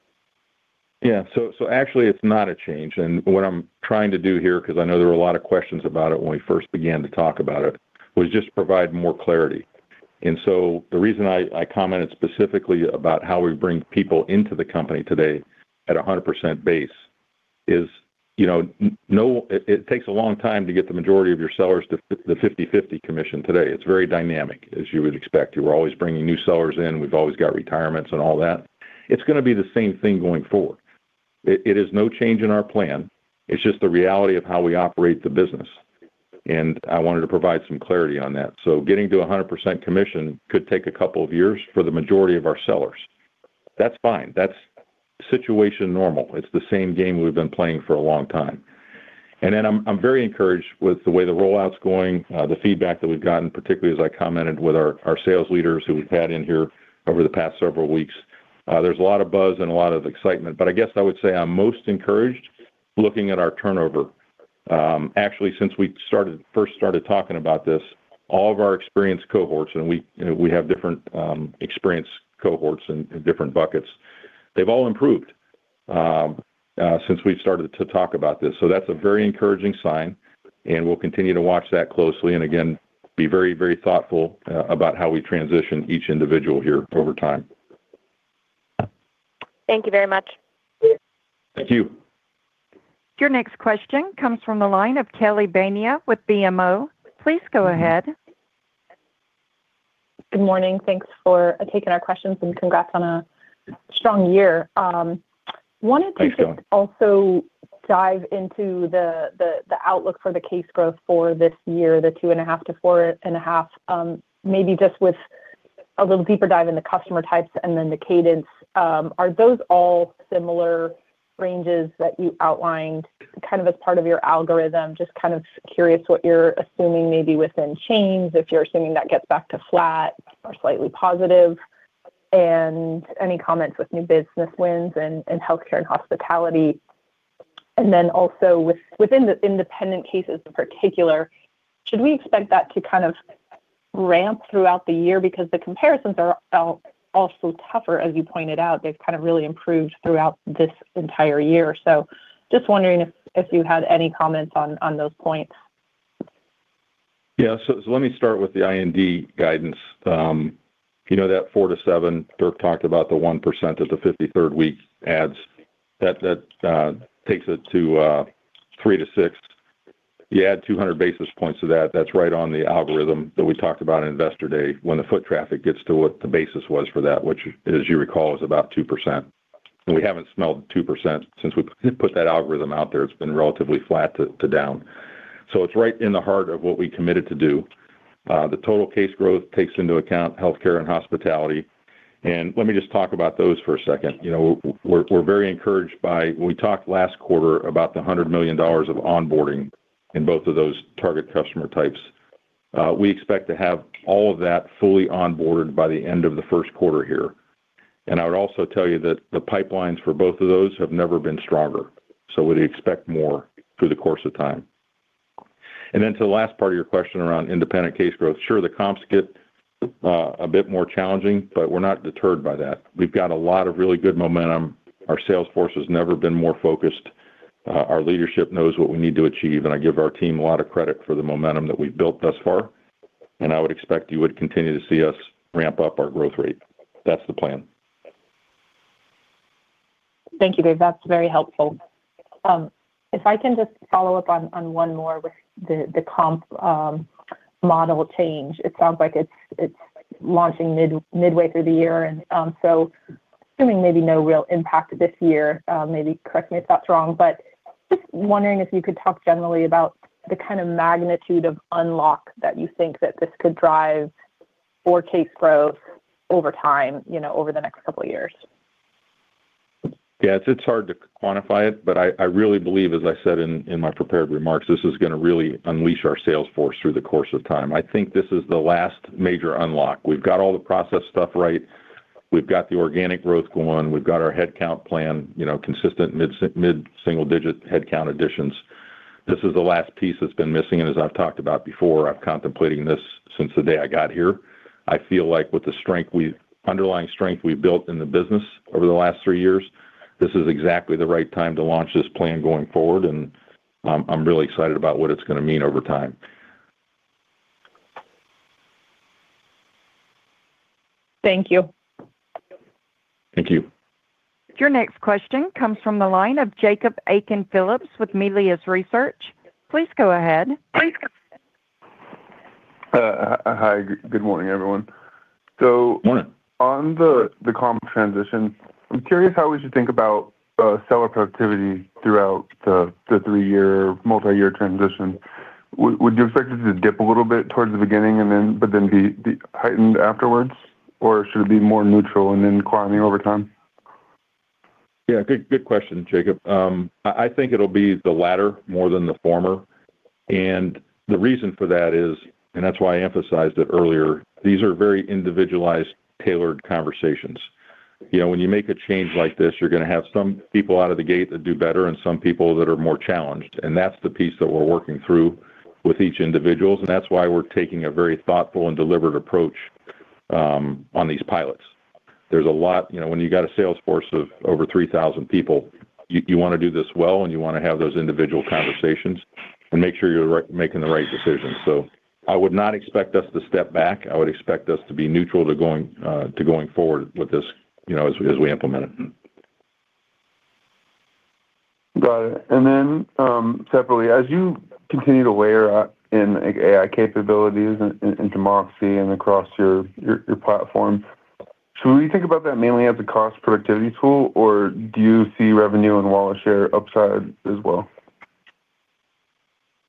Yeah. So actually, it's not a change. And what I'm trying to do here, 'cause I know there were a lot of questions about it when we first began to talk about it, was just provide more clarity. And so the reason I commented specifically about how we bring people into the company today at 100% base is, you know, no, it takes a long time to get the majority of your sellers to the 50/50 commission today. It's very dynamic, as you would expect. You're always bringing new sellers in. We've always got retirements and all that. It's gonna be the same thing going forward. It is no change in our plan, it's just the reality of how we operate the business, and I wanted to provide some clarity on that. So getting to 100% commission could take a couple of years for the majority of our sellers. That's fine. That's situation normal. It's the same game we've been playing for a long time. And then I'm very encouraged with the way the rollout's going, the feedback that we've gotten, particularly as I commented with our, our sales leaders who we've had in here over the past several weeks. There's a lot of buzz and a lot of excitement, but I guess I would say I'm most encouraged looking at our turnover. Actually, since we started, first started talking about this, all of our experienced cohorts, and we, you know, we have different, experienced cohorts in, in different buckets. They've all improved, since we've started to talk about this. So that's a very encouraging sign, and we'll continue to watch that closely, and again, be very, very thoughtful about how we transition each individual here over time. Thank you very much. Thank you. Your next question comes from the line of Kelly Bania with BMO. Please go ahead. Good morning. Thanks for taking our questions, and congrats on a strong year. Wanted to- Thanks, Kelly. Also dive into the outlook for the case growth for this year, the 2.5-4.5. Maybe just with a little deeper dive in the customer types and then the cadence. Are those all similar ranges that you outlined, kind of as part of your algorithm? Just kind of curious what you're assuming maybe within chains, if you're assuming that gets back to flat or slightly positive, and any comments with new business wins and healthcare and hospitality. And then also within the independent cases in particular, should we expect that to kind of ramp throughout the year? Because the comparisons are also tougher, as you pointed out. They've kind of really improved throughout this entire year. So just wondering if you had any comments on those points. Yeah, so let me start with the IND guidance. You know that 4-7, Dirk talked about the 1% at the 53rd week adds. That takes it to 3-6. You add 200 basis points to that, that's right on the algorithm that we talked about in Investor Day, when the foot traffic gets to what the basis was for that, which, as you recall, was about 2%. And we haven't smelled 2% since we put that algorithm out there. It's been relatively flat to down. So it's right in the heart of what we committed to do. The total case growth takes into account healthcare and hospitality, and let me just talk about those for a second. You know, we're very encouraged by. We talked last quarter about the $100 million of onboarding in both of those target customer types. We expect to have all of that fully onboarded by the end of the first quarter here. And I would also tell you that the pipelines for both of those have never been stronger, so we'd expect more through the course of time. And then to the last part of your question around independent case growth, sure, the comps get a bit more challenging, but we're not deterred by that. We've got a lot of really good momentum. Our sales force has never been more focused.... Our leadership knows what we need to achieve, and I give our team a lot of credit for the momentum that we've built thus far, and I would expect you would continue to see us ramp up our growth rate. That's the plan. Thank you, Dave. That's very helpful. If I can just follow up on one more with the comp model change. It sounds like it's launching midway through the year, and so assuming maybe no real impact this year, maybe correct me if that's wrong, but just wondering if you could talk generally about the kind of magnitude of unlock that you think that this could drive for case growth over time, you know, over the next couple of years? Yes, it's hard to quantify it, but I, I really believe, as I said in, in my prepared remarks, this is gonna really unleash our sales force through the course of time. I think this is the last major unlock. We've got all the process stuff right. We've got the organic growth going on. We've got our headcount plan, you know, consistent mid-single-digit headcount additions. This is the last piece that's been missing, and as I've talked about before, I'm contemplating this since the day I got here. I feel like with the underlying strength we've built in the business over the last three years, this is exactly the right time to launch this plan going forward, and I'm really excited about what it's gonna mean over time. Thank you. Thank you. Your next question comes from the line of Jacob Aiken-Phillips with Melius Research. Please go ahead. Hi, good morning, everyone. Morning. So on the comp transition, I'm curious how we should think about seller productivity throughout the three-year, multi-year transition. Would you expect it to dip a little bit towards the beginning and then, but then be heightened afterwards? Or should it be more neutral and then climbing over time? Yeah, good, good question, Jacob. I think it'll be the latter more than the former. And the reason for that is, and that's why I emphasized it earlier, these are very individualized, tailored conversations. You know, when you make a change like this, you're gonna have some people out of the gate that do better and some people that are more challenged, and that's the piece that we're working through with each individual, and that's why we're taking a very thoughtful and deliberate approach on these pilots. There's a lot, you know, when you got a sales force of over 3,000 people, you wanna do this well, and you wanna have those individual conversations and make sure you're making the right decisions. So I would not expect us to step back. I would expect us to be neutral to going, to going forward with this, you know, as we, as we implement it. Got it. And then, separately, as you continue to layer in AI capabilities into MOXē and across your platform, should we think about that mainly as a cost productivity tool, or do you see revenue and wallet share upside as well?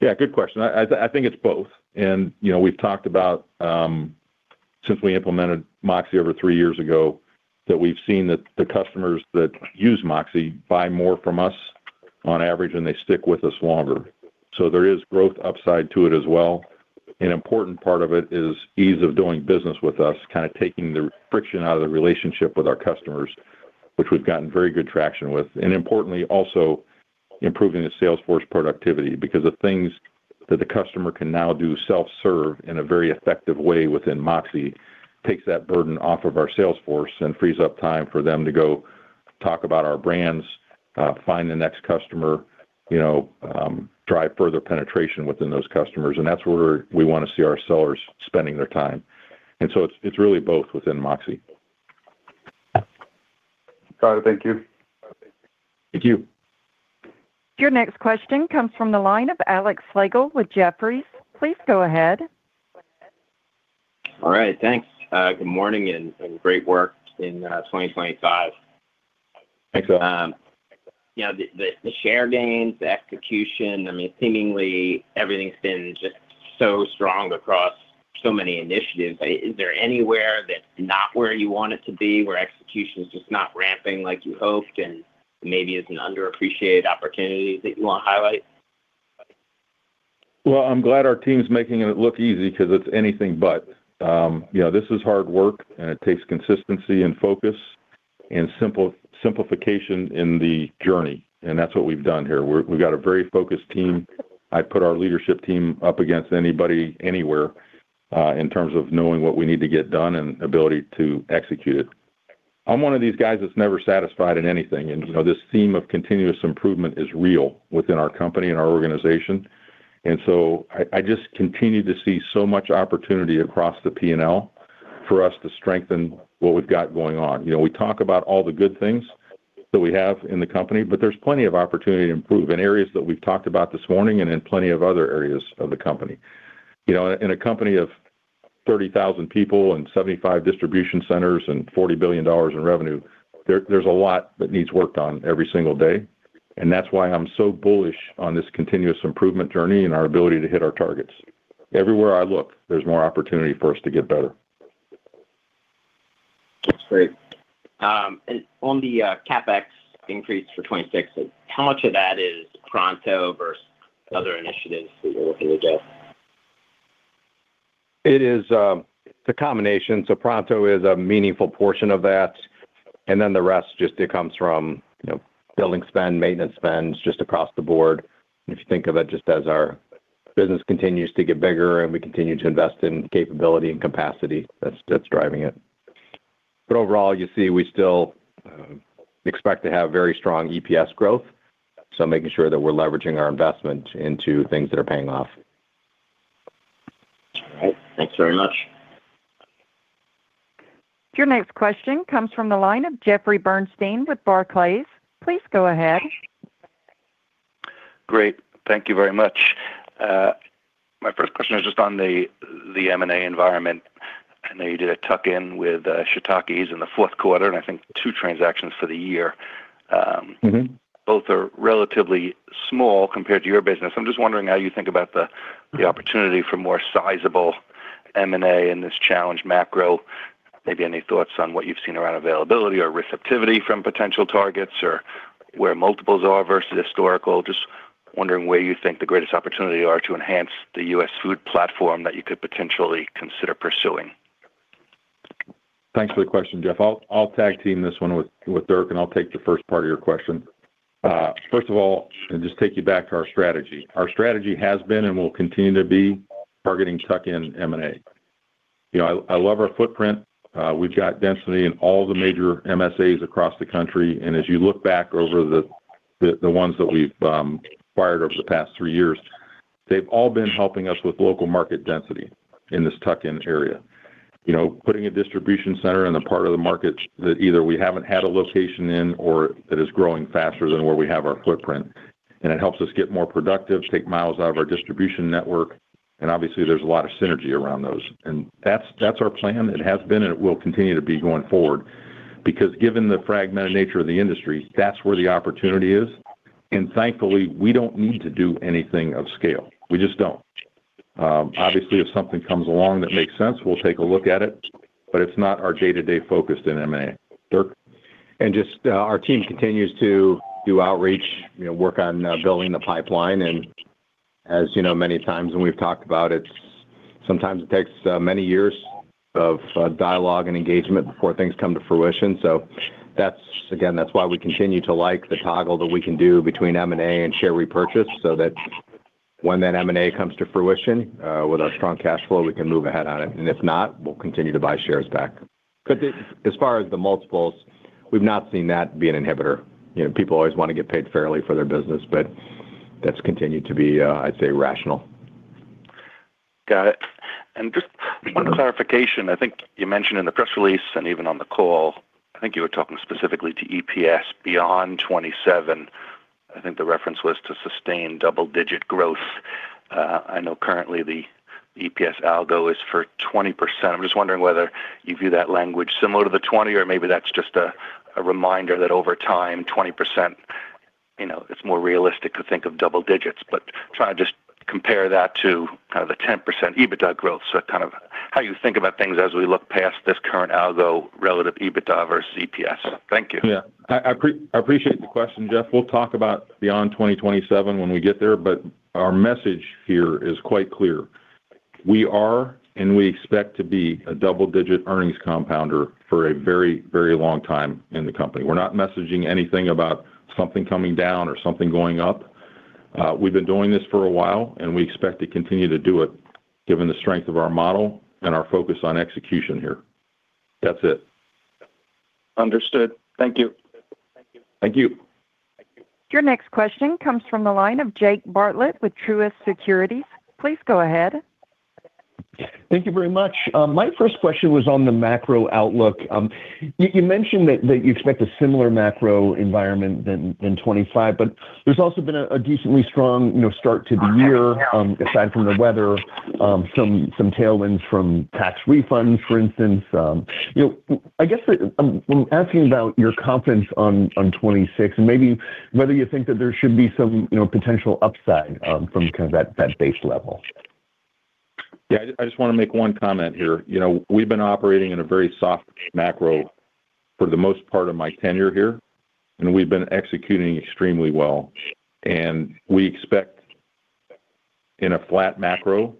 Yeah, good question. I, I, I think it's both. And, you know, we've talked about since we implemented MOXē over three years ago, that we've seen that the customers that use MOXē buy more from us on average, and they stick with us longer. So there is growth upside to it as well. An important part of it is ease of doing business with us, kind of taking the friction out of the relationship with our customers, which we've gotten very good traction with. And importantly, also improving the sales force productivity because the things that the customer can now do self-serve in a very effective way within MOXē takes that burden off of our sales force and frees up time for them to go talk about our brands, find the next customer, you know, drive further penetration within those customers. That's where we wanna see our sellers spending their time. So it's really both within MOXē. Got it. Thank you. Thank you. Your next question comes from the line of Alex Slagle with Jefferies. Please go ahead. All right, thanks. Good morning, and great work in 2025. Thanks, Alex. Yeah, the share gains, the execution, I mean, seemingly everything's been just so strong across so many initiatives. Is there anywhere that's not where you want it to be, where execution is just not ramping like you hoped and maybe it's an underappreciated opportunity that you wanna highlight? Well, I'm glad our team's making it look easy, 'cause it's anything but. You know, this is hard work, and it takes consistency and focus and simplification in the journey, and that's what we've done here. We've, we've got a very focused team. I put our leadership team up against anybody, anywhere, in terms of knowing what we need to get done and ability to execute it. I'm one of these guys that's never satisfied in anything, and, you know, this theme of continuous improvement is real within our company and our organization. And so I, I just continue to see so much opportunity across the P&L for us to strengthen what we've got going on. You know, we talk about all the good things that we have in the company, but there's plenty of opportunity to improve in areas that we've talked about this morning and in plenty of other areas of the company. You know, in a company of 30,000 people and 75 distribution centers and $40 billion in revenue, there's a lot that needs worked on every single day, and that's why I'm so bullish on this continuous improvement journey and our ability to hit our targets. Everywhere I look, there's more opportunity for us to get better. That's great. And on the CapEx increase for 2026, how much of that is Pronto versus other initiatives that you're looking to do? It is, it's a combination, so Pronto is a meaningful portion of that, and then the rest just comes from, you know, building spend, maintenance spends, just across the board. If you think of it, just as our business continues to get bigger and we continue to invest in capability and capacity, that's driving it. Overall, you see, we still expect to have very strong EPS growth, so making sure that we're leveraging our investment into things that are paying off. All right. Thanks very much. Your next question comes from the line of Jeffrey Bernstein with Barclays. Please go ahead. Great. Thank you very much. My first question is just on the M&A environment. I know you did a tuck-in with Shetakis in the fourth quarter, and I think two transactions for the year. Mm-hmm. Both are relatively small compared to your business. I'm just wondering how you think about the opportunity for more sizable M&A in this challenged macro. Maybe any thoughts on what you've seen around availability or receptivity from potential targets, or where multiples are versus historical? Just wondering where you think the greatest opportunity are to enhance the US Foods platform that you could potentially consider pursuing. Thanks for the question, Jeff. I'll tag-team this one with Dirk, and I'll take the first part of your question. First of all, just take you back to our strategy. Our strategy has been and will continue to be targeting tuck-in M&A. You know, I love our footprint. We've got density in all the major MSAs across the country, and as you look back over the ones that we've acquired over the past three years, they've all been helping us with local market density in this tuck-in area. You know, putting a distribution center in the part of the market that either we haven't had a location in or that is growing faster than where we have our footprint. And it helps us get more productive, take miles out of our distribution network, and obviously, there's a lot of synergy around those. And that's, that's our plan. It has been, and it will continue to be going forward. Because given the fragmented nature of the industry, that's where the opportunity is, and thankfully, we don't need to do anything of scale. We just don't. Obviously, if something comes along that makes sense, we'll take a look at it, but it's not our day-to-day focus in M&A. Dirk? Just, our team continues to do outreach, you know, work on building the pipeline. As you know, many times when we've talked about it, sometimes it takes many years of dialogue and engagement before things come to fruition. So that's, again, that's why we continue to like the toggle that we can do between M&A and share repurchase, so that when that M&A comes to fruition, with our strong cash flow, we can move ahead on it. If not, we'll continue to buy shares back. But as far as the multiples, we've not seen that be an inhibitor. You know, people always want to get paid fairly for their business, but that's continued to be, I'd say, rational. Got it. Just one clarification. I think you mentioned in the press release and even on the call, I think you were talking specifically to EPS beyond 27. I think the reference was to sustain double-digit growth. I know currently the EPS algo is for 20%. I'm just wondering whether you view that language similar to the 20, or maybe that's just a reminder that over time, 20%, you know, it's more realistic to think of double digits. But trying to just compare that to kind of the 10% EBITDA growth, so kind of how you think about things as we look past this current algo relative EBITDA versus EPS? Thank you. Yeah. I appreciate the question, Jeff. We'll talk about beyond 2027 when we get there, but our message here is quite clear. We are, and we expect to be a double-digit earnings compounder for a very, very long time in the company. We're not messaging anything about something coming down or something going up. We've been doing this for a while, and we expect to continue to do it, given the strength of our model and our focus on execution here. That's it. Understood. Thank you. Thank you. Your next question comes from the line of Jake Bartlett with Truist Securities. Please go ahead. Thank you very much. My first question was on the macro outlook. You mentioned that you expect a similar macro environment than 2025, but there's also been a decently strong, you know, start to the year, aside from the weather, some tailwinds from tax refunds, for instance. You know, I guess, I'm asking about your confidence on 2026 and maybe whether you think that there should be some, you know, potential upside, from kind of that base level. Yeah, I just want to make one comment here. You know, we've been operating in a very soft macro for the most part of my tenure here, and we've been executing extremely well. We expect in a flat macro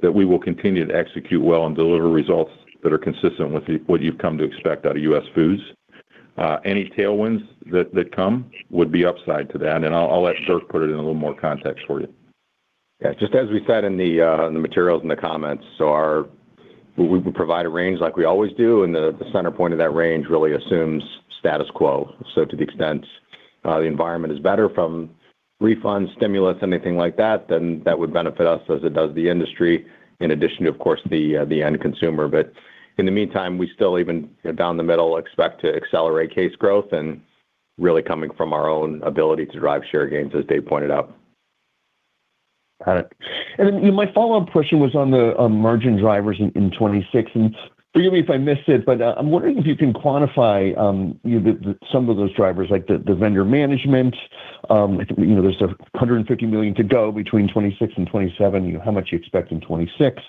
that we will continue to execute well and deliver results that are consistent with the, what you've come to expect out of US Foods. Any tailwinds that come would be upside to that, and I'll let Dirk put it in a little more context for you. Yeah, just as we said in the, in the materials and the comments, so we provide a range like we always do, and the center point of that range really assumes status quo. So to the extent the environment is better from refunds, stimulus, anything like that, then that would benefit us as it does the industry, in addition to, of course, the, the end consumer. But in the meantime, we still even, down the middle, expect to accelerate case growth and really coming from our own ability to drive share gains, as Dave pointed out. Got it. Then my follow-up question was on margin drivers in 2026. Forgive me if I missed it, but I'm wondering if you can quantify you know some of those drivers, like the vendor management. You know, there's $150 million to go between 2026 and 2027. How much you expect in 2026?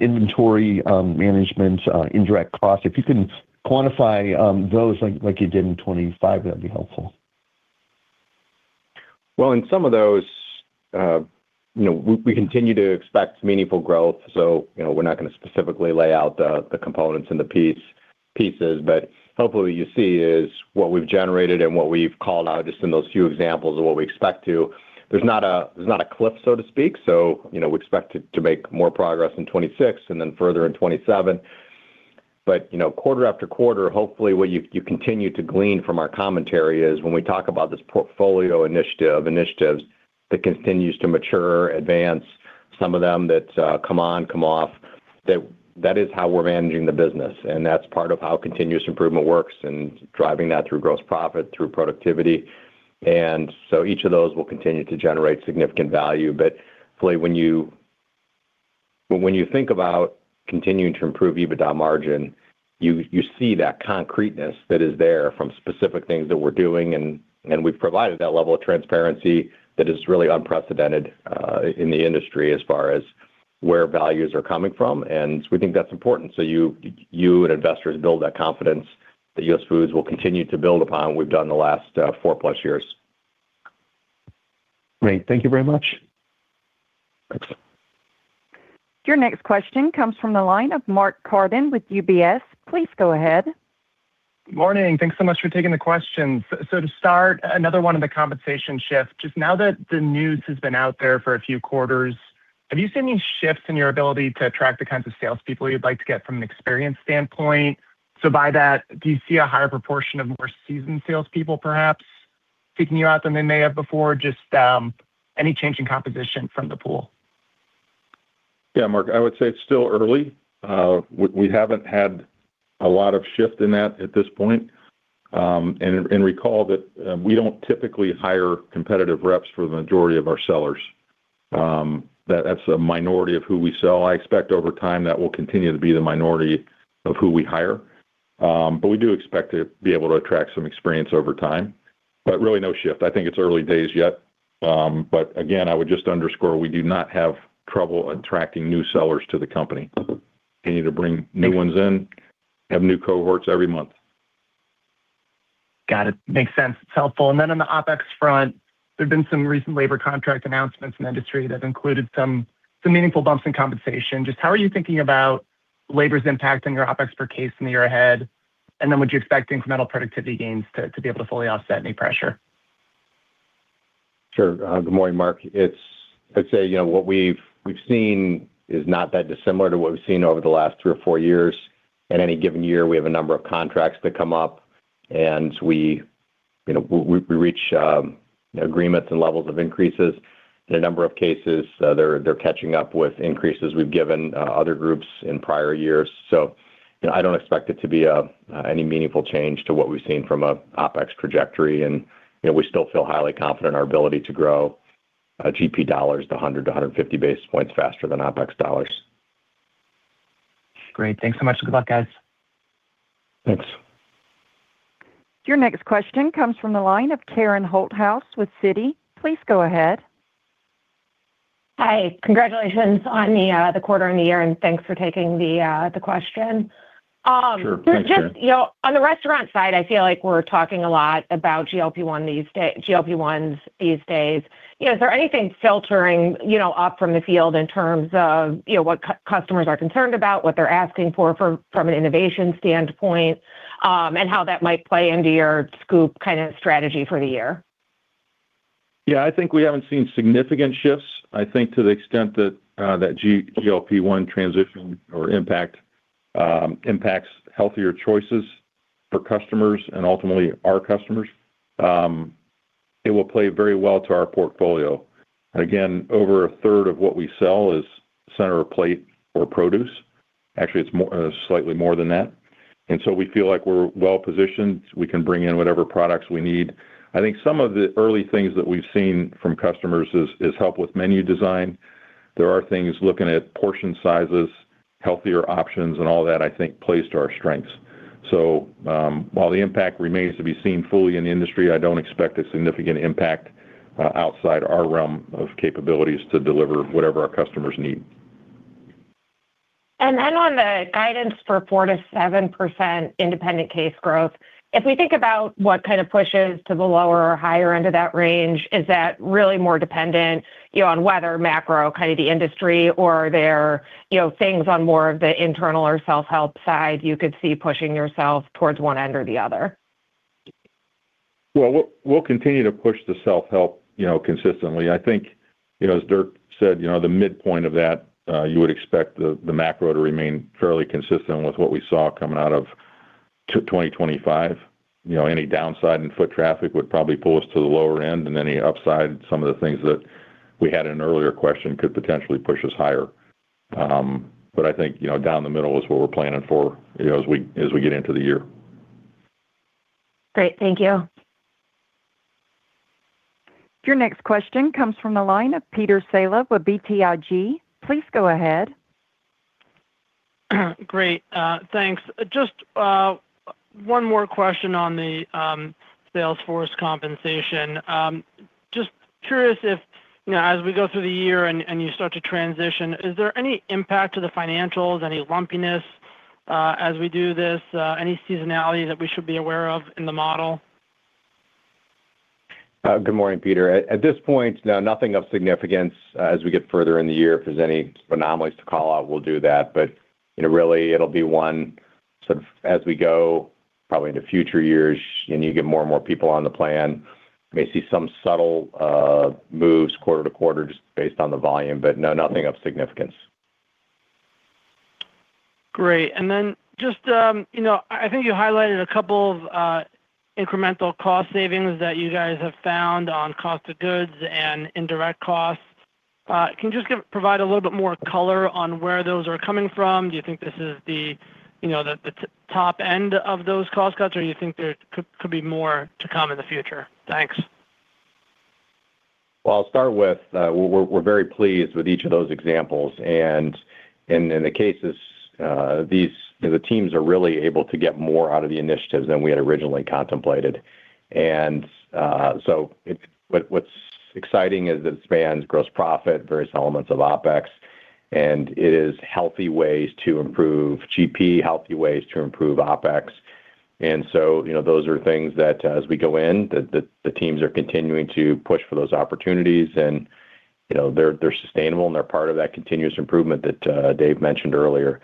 Inventory management, indirect costs. If you can quantify those like you did in 2025, that'd be helpful. Well, in some of those, you know, we continue to expect meaningful growth, so, you know, we're not going to specifically lay out the components and the pieces, but hopefully, what you see is what we've generated and what we've called out, just in those few examples of what we expect to. There's not a cliff, so to speak, so, you know, we expect to make more progress in 2026 and then further in 2027... but, you know, quarter after quarter, hopefully, what you continue to glean from our commentary is when we talk about this portfolio initiative, initiatives that continues to mature, advance some of them that come on, come off, that is how we're managing the business, and that's part of how continuous improvement works and driving that through gross profit, through productivity. Each of those will continue to generate significant value. But hopefully, when you think about continuing to improve EBITDA margin, you see that concreteness that is there from specific things that we're doing, and we've provided that level of transparency that is really unprecedented in the industry as far as where values are coming from. And we think that's important, so you and investors build that confidence that US Foods will continue to build upon what we've done in the last 4+ years. Great. Thank you very much. Thanks. Your next question comes from the line of Mark Carden with UBS. Please go ahead. Morning. Thanks so much for taking the questions. So to start, another one of the compensation shifts. Just now that the news has been out there for a few quarters, have you seen any shifts in your ability to attract the kinds of salespeople you'd like to get from an experience standpoint? So by that, do you see a higher proportion of more seasoned salespeople, perhaps, seeking you out than they may have before? Just, any change in composition from the pool? Yeah, Mark, I would say it's still early. We haven't had a lot of shift in that at this point. Recall that we don't typically hire competitive reps for the majority of our sellers. That's a minority of who we sell. I expect over time, that will continue to be the minority of who we hire. But we do expect to be able to attract some experience over time, but really, no shift. I think it's early days yet. But again, I would just underscore, we do not have trouble attracting new sellers to the company. Continue to bring new ones in, have new cohorts every month. Got it. Makes sense. It's helpful. And then on the OpEx front, there's been some recent labor contract announcements in the industry that included some meaningful bumps in compensation. Just how are you thinking about labor's impact on your OpEx per case in the year ahead? And then, would you expect incremental productivity gains to be able to fully offset any pressure? Sure. Good morning, Mark. I'd say, you know, what we've seen is not that dissimilar to what we've seen over the last three or four years. In any given year, we have a number of contracts that come up, and we, you know, we reach agreements and levels of increases. In a number of cases, they're catching up with increases we've given other groups in prior years. So, you know, I don't expect it to be any meaningful change to what we've seen from a OpEx trajectory, and, you know, we still feel highly confident in our ability to grow GP dollars 100-150 basis points faster than OpEx dollars. Great. Thanks so much, and good luck, guys. Thanks. Your next question comes from the line of Karen Holthouse with Citi. Please go ahead. Hi, congratulations on the quarter and the year, and thanks for taking the question. Sure. Just, you know, on the restaurant side, I feel like we're talking a lot about GLP-1 these days, GLP-1s these days. You know, is there anything filtering, you know, up from the field in terms of, you know, what customers are concerned about, what they're asking for, from an innovation standpoint, and how that might play into your Scoop kind of strategy for the year? Yeah, I think we haven't seen significant shifts. I think to the extent that that GLP-1 transition or impact impacts healthier choices for customers and ultimately our customers, it will play very well to our portfolio. Again, over a third of what we sell is Center of Plate or produce. Actually, it's more, slightly more than that, and so we feel like we're well-positioned. We can bring in whatever products we need. I think some of the early things that we've seen from customers is help with menu design. There are things looking at portion sizes, healthier options, and all that, I think, plays to our strengths. So, while the impact remains to be seen fully in the industry, I don't expect a significant impact outside our realm of capabilities to deliver whatever our customers need. Then on the guidance for 4%-7% independent case growth, if we think about what kind of pushes to the lower or higher end of that range, is that really more dependent, you know, on weather, macro, kind of the industry, or are there, you know, things on more of the internal or self-help side you could see pushing yourself towards one end or the other? Well, we'll continue to push the self-help, you know, consistently. I think, you know, as Dirk said, you know, the midpoint of that, you would expect the macro to remain fairly consistent with what we saw coming out of 2025. You know, any downside in foot traffic would probably pull us to the lower end, and any upside, some of the things that we had an earlier question, could potentially push us higher. But I think, you know, down the middle is what we're planning for, you know, as we get into the year. Great. Thank you. Your next question comes from the line of Peter Saleh with BTIG. Please go ahead. Great, thanks. Just, one more question on the, sales force compensation. Just curious if, you know, as we go through the year and you start to transition, is there any impact to the financials, any lumpiness, as we do this? Any seasonality that we should be aware of in the model? Good morning, Peter. At this point, no, nothing of significance. As we get further in the year, if there's any anomalies to call out, we'll do that. But, you know, really, it'll be one sort of as we go, probably into future years, and you get more and more people on the plan, may see some subtle moves quarter to quarter just based on the volume, but no, nothing of significance. Great. And then just, you know, I think you highlighted a couple of incremental cost savings that you guys have found on cost of goods and indirect costs. Can you just provide a little bit more color on where those are coming from? Do you think this is the, you know, the top end of those cost cuts, or you think there could be more to come in the future? Thanks. Well, I'll start with, we're very pleased with each of those examples. And, in the cases, these teams are really able to get more out of the initiatives than we had originally contemplated. And, so what's exciting is that it spans gross profit, various elements of OpEx, and it is healthy ways to improve GP, healthy ways to improve OpEx. And so, you know, those are things that as we go in, the teams are continuing to push for those opportunities and, you know, they're sustainable, and they're part of that continuous improvement that Dave mentioned earlier.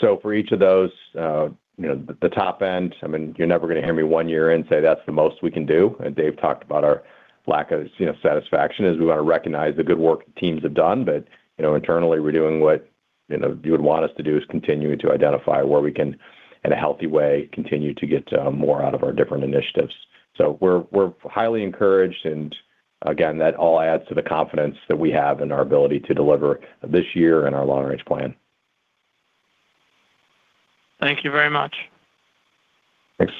So for each of those, you know, the top end, I mean, you're never going to hear me one year in say, "That's the most we can do." And Dave talked about our lack of, you know, satisfaction, as we want to recognize the good work teams have done. But, you know, internally, we're doing what, you know, you would want us to do, is continuing to identify where we can, in a healthy way, continue to get more out of our different initiatives. So we're highly encouraged, and again, that all adds to the confidence that we have in our ability to deliver this year and our long-range plan. Thank you very much. Thanks.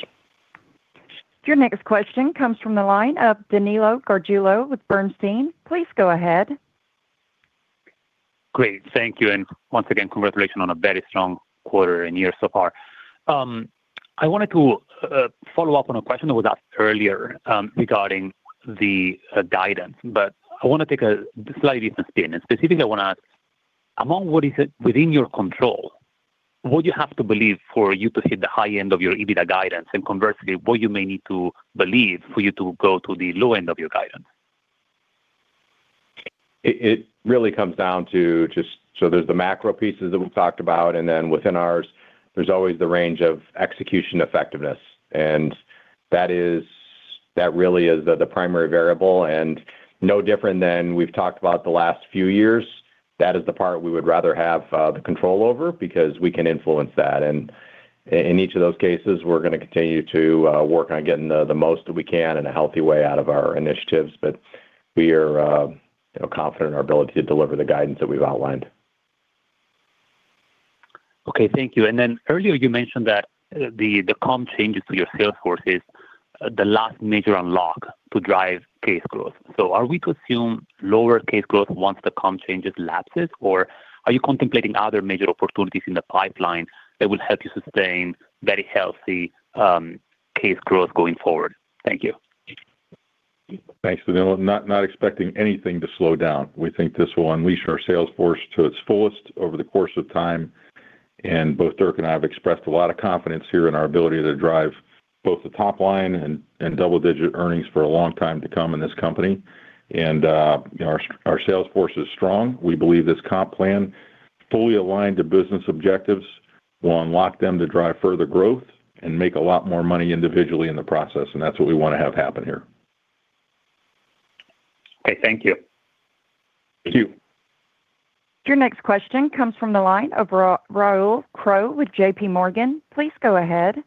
Your next question comes from the line of Danilo Gargiulo with Bernstein. Please go ahead. Great, thank you, and once again, congratulations on a very strong quarter and year so far. I wanted to follow up on a question that was asked earlier, regarding the guidance, but I want to take a slightly different spin, and specifically, I want to ask, among what is within your control, what do you have to believe for you to hit the high end of your EBITDA guidance? And conversely, what you may need to believe for you to go to the low end of your guidance? It really comes down to just... So there's the macro pieces that we've talked about, and then within ours, there's always the range of execution effectiveness, and that is—that really is the primary variable, and no different than we've talked about the last few years. That is the part we would rather have the control over because we can influence that. And in each of those cases, we're going to continue to work on getting the most that we can in a healthy way out of our initiatives, but we are, you know, confident in our ability to deliver the guidance that we've outlined. Okay, thank you. And then earlier, you mentioned that the comp changes to your sales force is the last major unlock to drive case growth. So are we to assume lower case growth once the comp changes lapses, or are you contemplating other major opportunities in the pipeline that will help you sustain very healthy case growth going forward? Thank you. Thanks, Danilo. Not expecting anything to slow down. We think this will unleash our sales force to its fullest over the course of time, and both Dirk and I have expressed a lot of confidence here in our ability to drive both the top line and double-digit earnings for a long time to come in this company. Our sales force is strong. We believe this comp plan, fully aligned to business objectives, will unlock them to drive further growth and make a lot more money individually in the process, and that's what we want to have happen here. Okay, thank you. Thank you. Your next question comes from the line of Rahul Krotthapalli with JP Morgan. Please go ahead.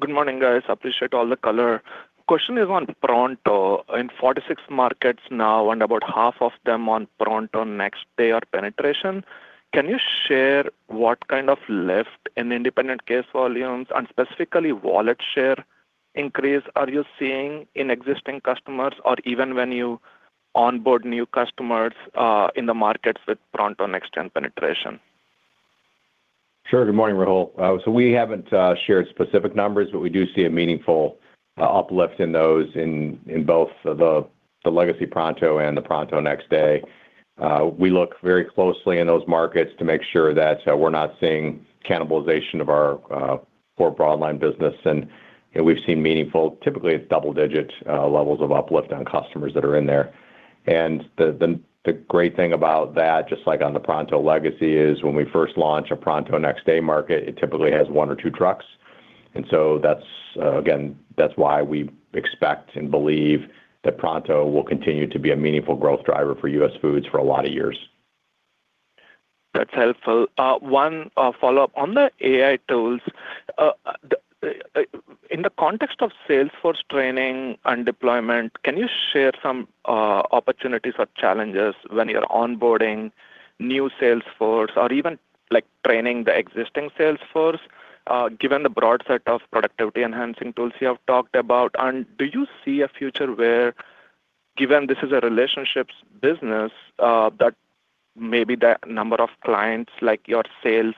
Good morning, guys. Appreciate all the color. Question is on Pronto. In 46 markets now and about half of them on Pronto Next Day are penetration, can you share what kind of lift in independent case volumes and specifically wallet share increase are you seeing in existing customers or even when you onboard new customers, in the markets with Pronto Next Day penetration? Sure. Good morning, Rahul. So we haven't shared specific numbers, but we do see a meaningful uplift in those in both the legacy Pronto and the Pronto Next Day. We look very closely in those markets to make sure that we're not seeing cannibalization of our for broadline business. And, you know, we've seen meaningful, typically, it's double-digit levels of uplift on customers that are in there. And the great thing about that, just like on the Pronto legacy, is when we first launch a Pronto Next Day market, it typically has one or two trucks. And so that's again, that's why we expect and believe that Pronto will continue to be a meaningful growth driver for US Foods for a lot of years. That's helpful. One follow-up. On the AI tools, the in the context of sales force training and deployment, can you share some opportunities or challenges when you're onboarding new sales force or even, like, training the existing sales force, given the broad set of productivity-enhancing tools you have talked about? And do you see a future where, given this is a relationships business, that maybe the number of clients, like your sales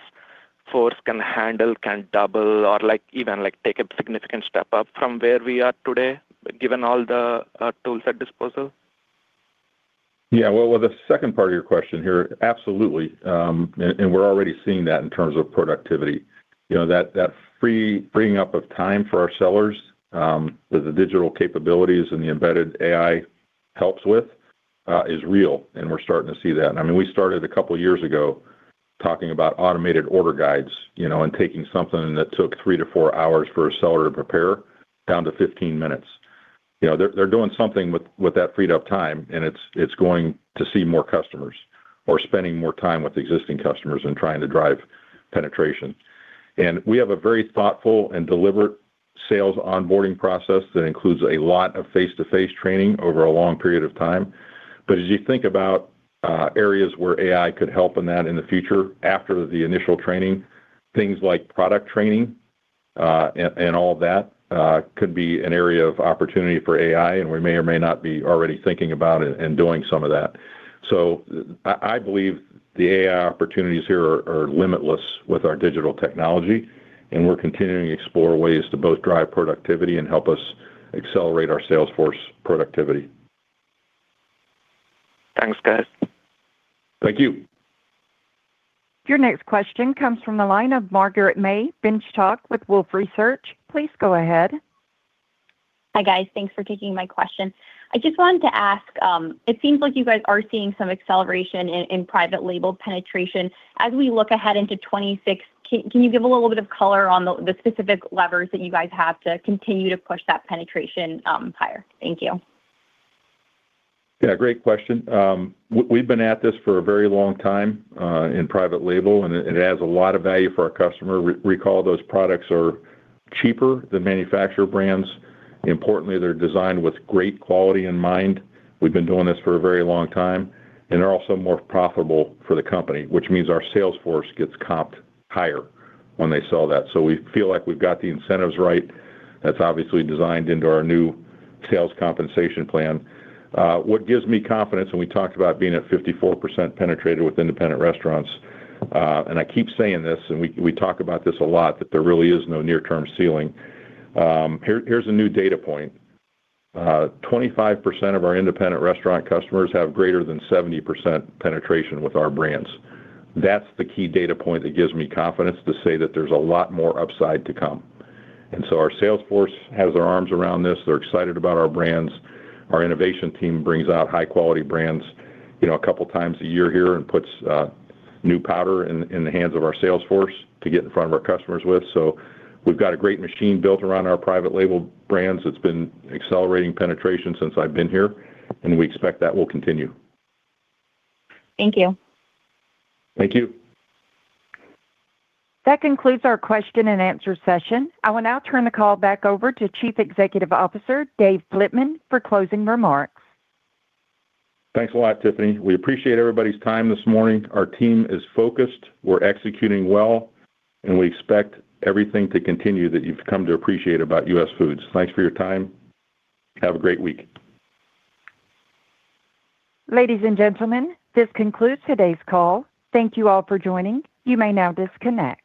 force can handle, can double or like, even, like, take a significant step up from where we are today, given all the tools at disposal? Yeah. Well, with the second part of your question here, absolutely. And we're already seeing that in terms of productivity. You know, that freeing up of time for our sellers with the digital capabilities and the embedded AI helps with is real, and we're starting to see that. I mean, we started a couple of years ago talking about automated order guides, you know, and taking something that took 3-4 hours for a seller to prepare down to 15 minutes. You know, they're doing something with that freed-up time, and it's going to see more customers or spending more time with existing customers and trying to drive penetration. And we have a very thoughtful and deliberate sales onboarding process that includes a lot of face-to-face training over a long period of time. But as you think about, areas where AI could help in that in the future, after the initial training, things like product training, and, and all of that, could be an area of opportunity for AI, and we may or may not be already thinking about it and doing some of that. So I, I believe the AI opportunities here are, are limitless with our digital technology, and we're continuing to explore ways to both drive productivity and help us accelerate our sales force productivity. Thanks, guys. Thank you. Your next question comes from the line of Margaret-May Binshtok with Wolfe Research. Please go ahead. Hi, guys. Thanks for taking my question. I just wanted to ask, it seems like you guys are seeing some acceleration in private label penetration. As we look ahead into 2026, can you give a little bit of color on the specific levers that you guys have to continue to push that penetration higher? Thank you. Yeah, great question. We've been at this for a very long time in private label, and it adds a lot of value for our customer. Recall, those products are cheaper than manufacturer brands. Importantly, they're designed with great quality in mind. We've been doing this for a very long time, and they're also more profitable for the company, which means our sales force gets comped higher when they sell that. So we feel like we've got the incentives right. That's obviously designed into our new sales compensation plan. What gives me confidence, and we talked about being at 54% penetrated with independent restaurants, and I keep saying this, and we talk about this a lot, that there really is no near-term ceiling. Here's a new data point. 25% of our independent restaurant customers have greater than 70% penetration with our brands. That's the key data point that gives me confidence to say that there's a lot more upside to come. So our sales force has their arms around this. They're excited about our brands. Our innovation team brings out high-quality brands, you know, a couple of times a year here and puts new powder in the hands of our sales force to get in front of our customers with. So we've got a great machine built around our private label brands that's been accelerating penetration since I've been here, and we expect that will continue. Thank you. Thank you. That concludes our question and answer session. I will now turn the call back over to Chief Executive Officer, Dave Flitman, for closing remarks. Thanks a lot, Tiffany. We appreciate everybody's time this morning. Our team is focused, we're executing well, and we expect everything to continue that you've come to appreciate about US Foods. Thanks for your time. Have a great week. Ladies and gentlemen, this concludes today's call. Thank you all for joining. You may now disconnect.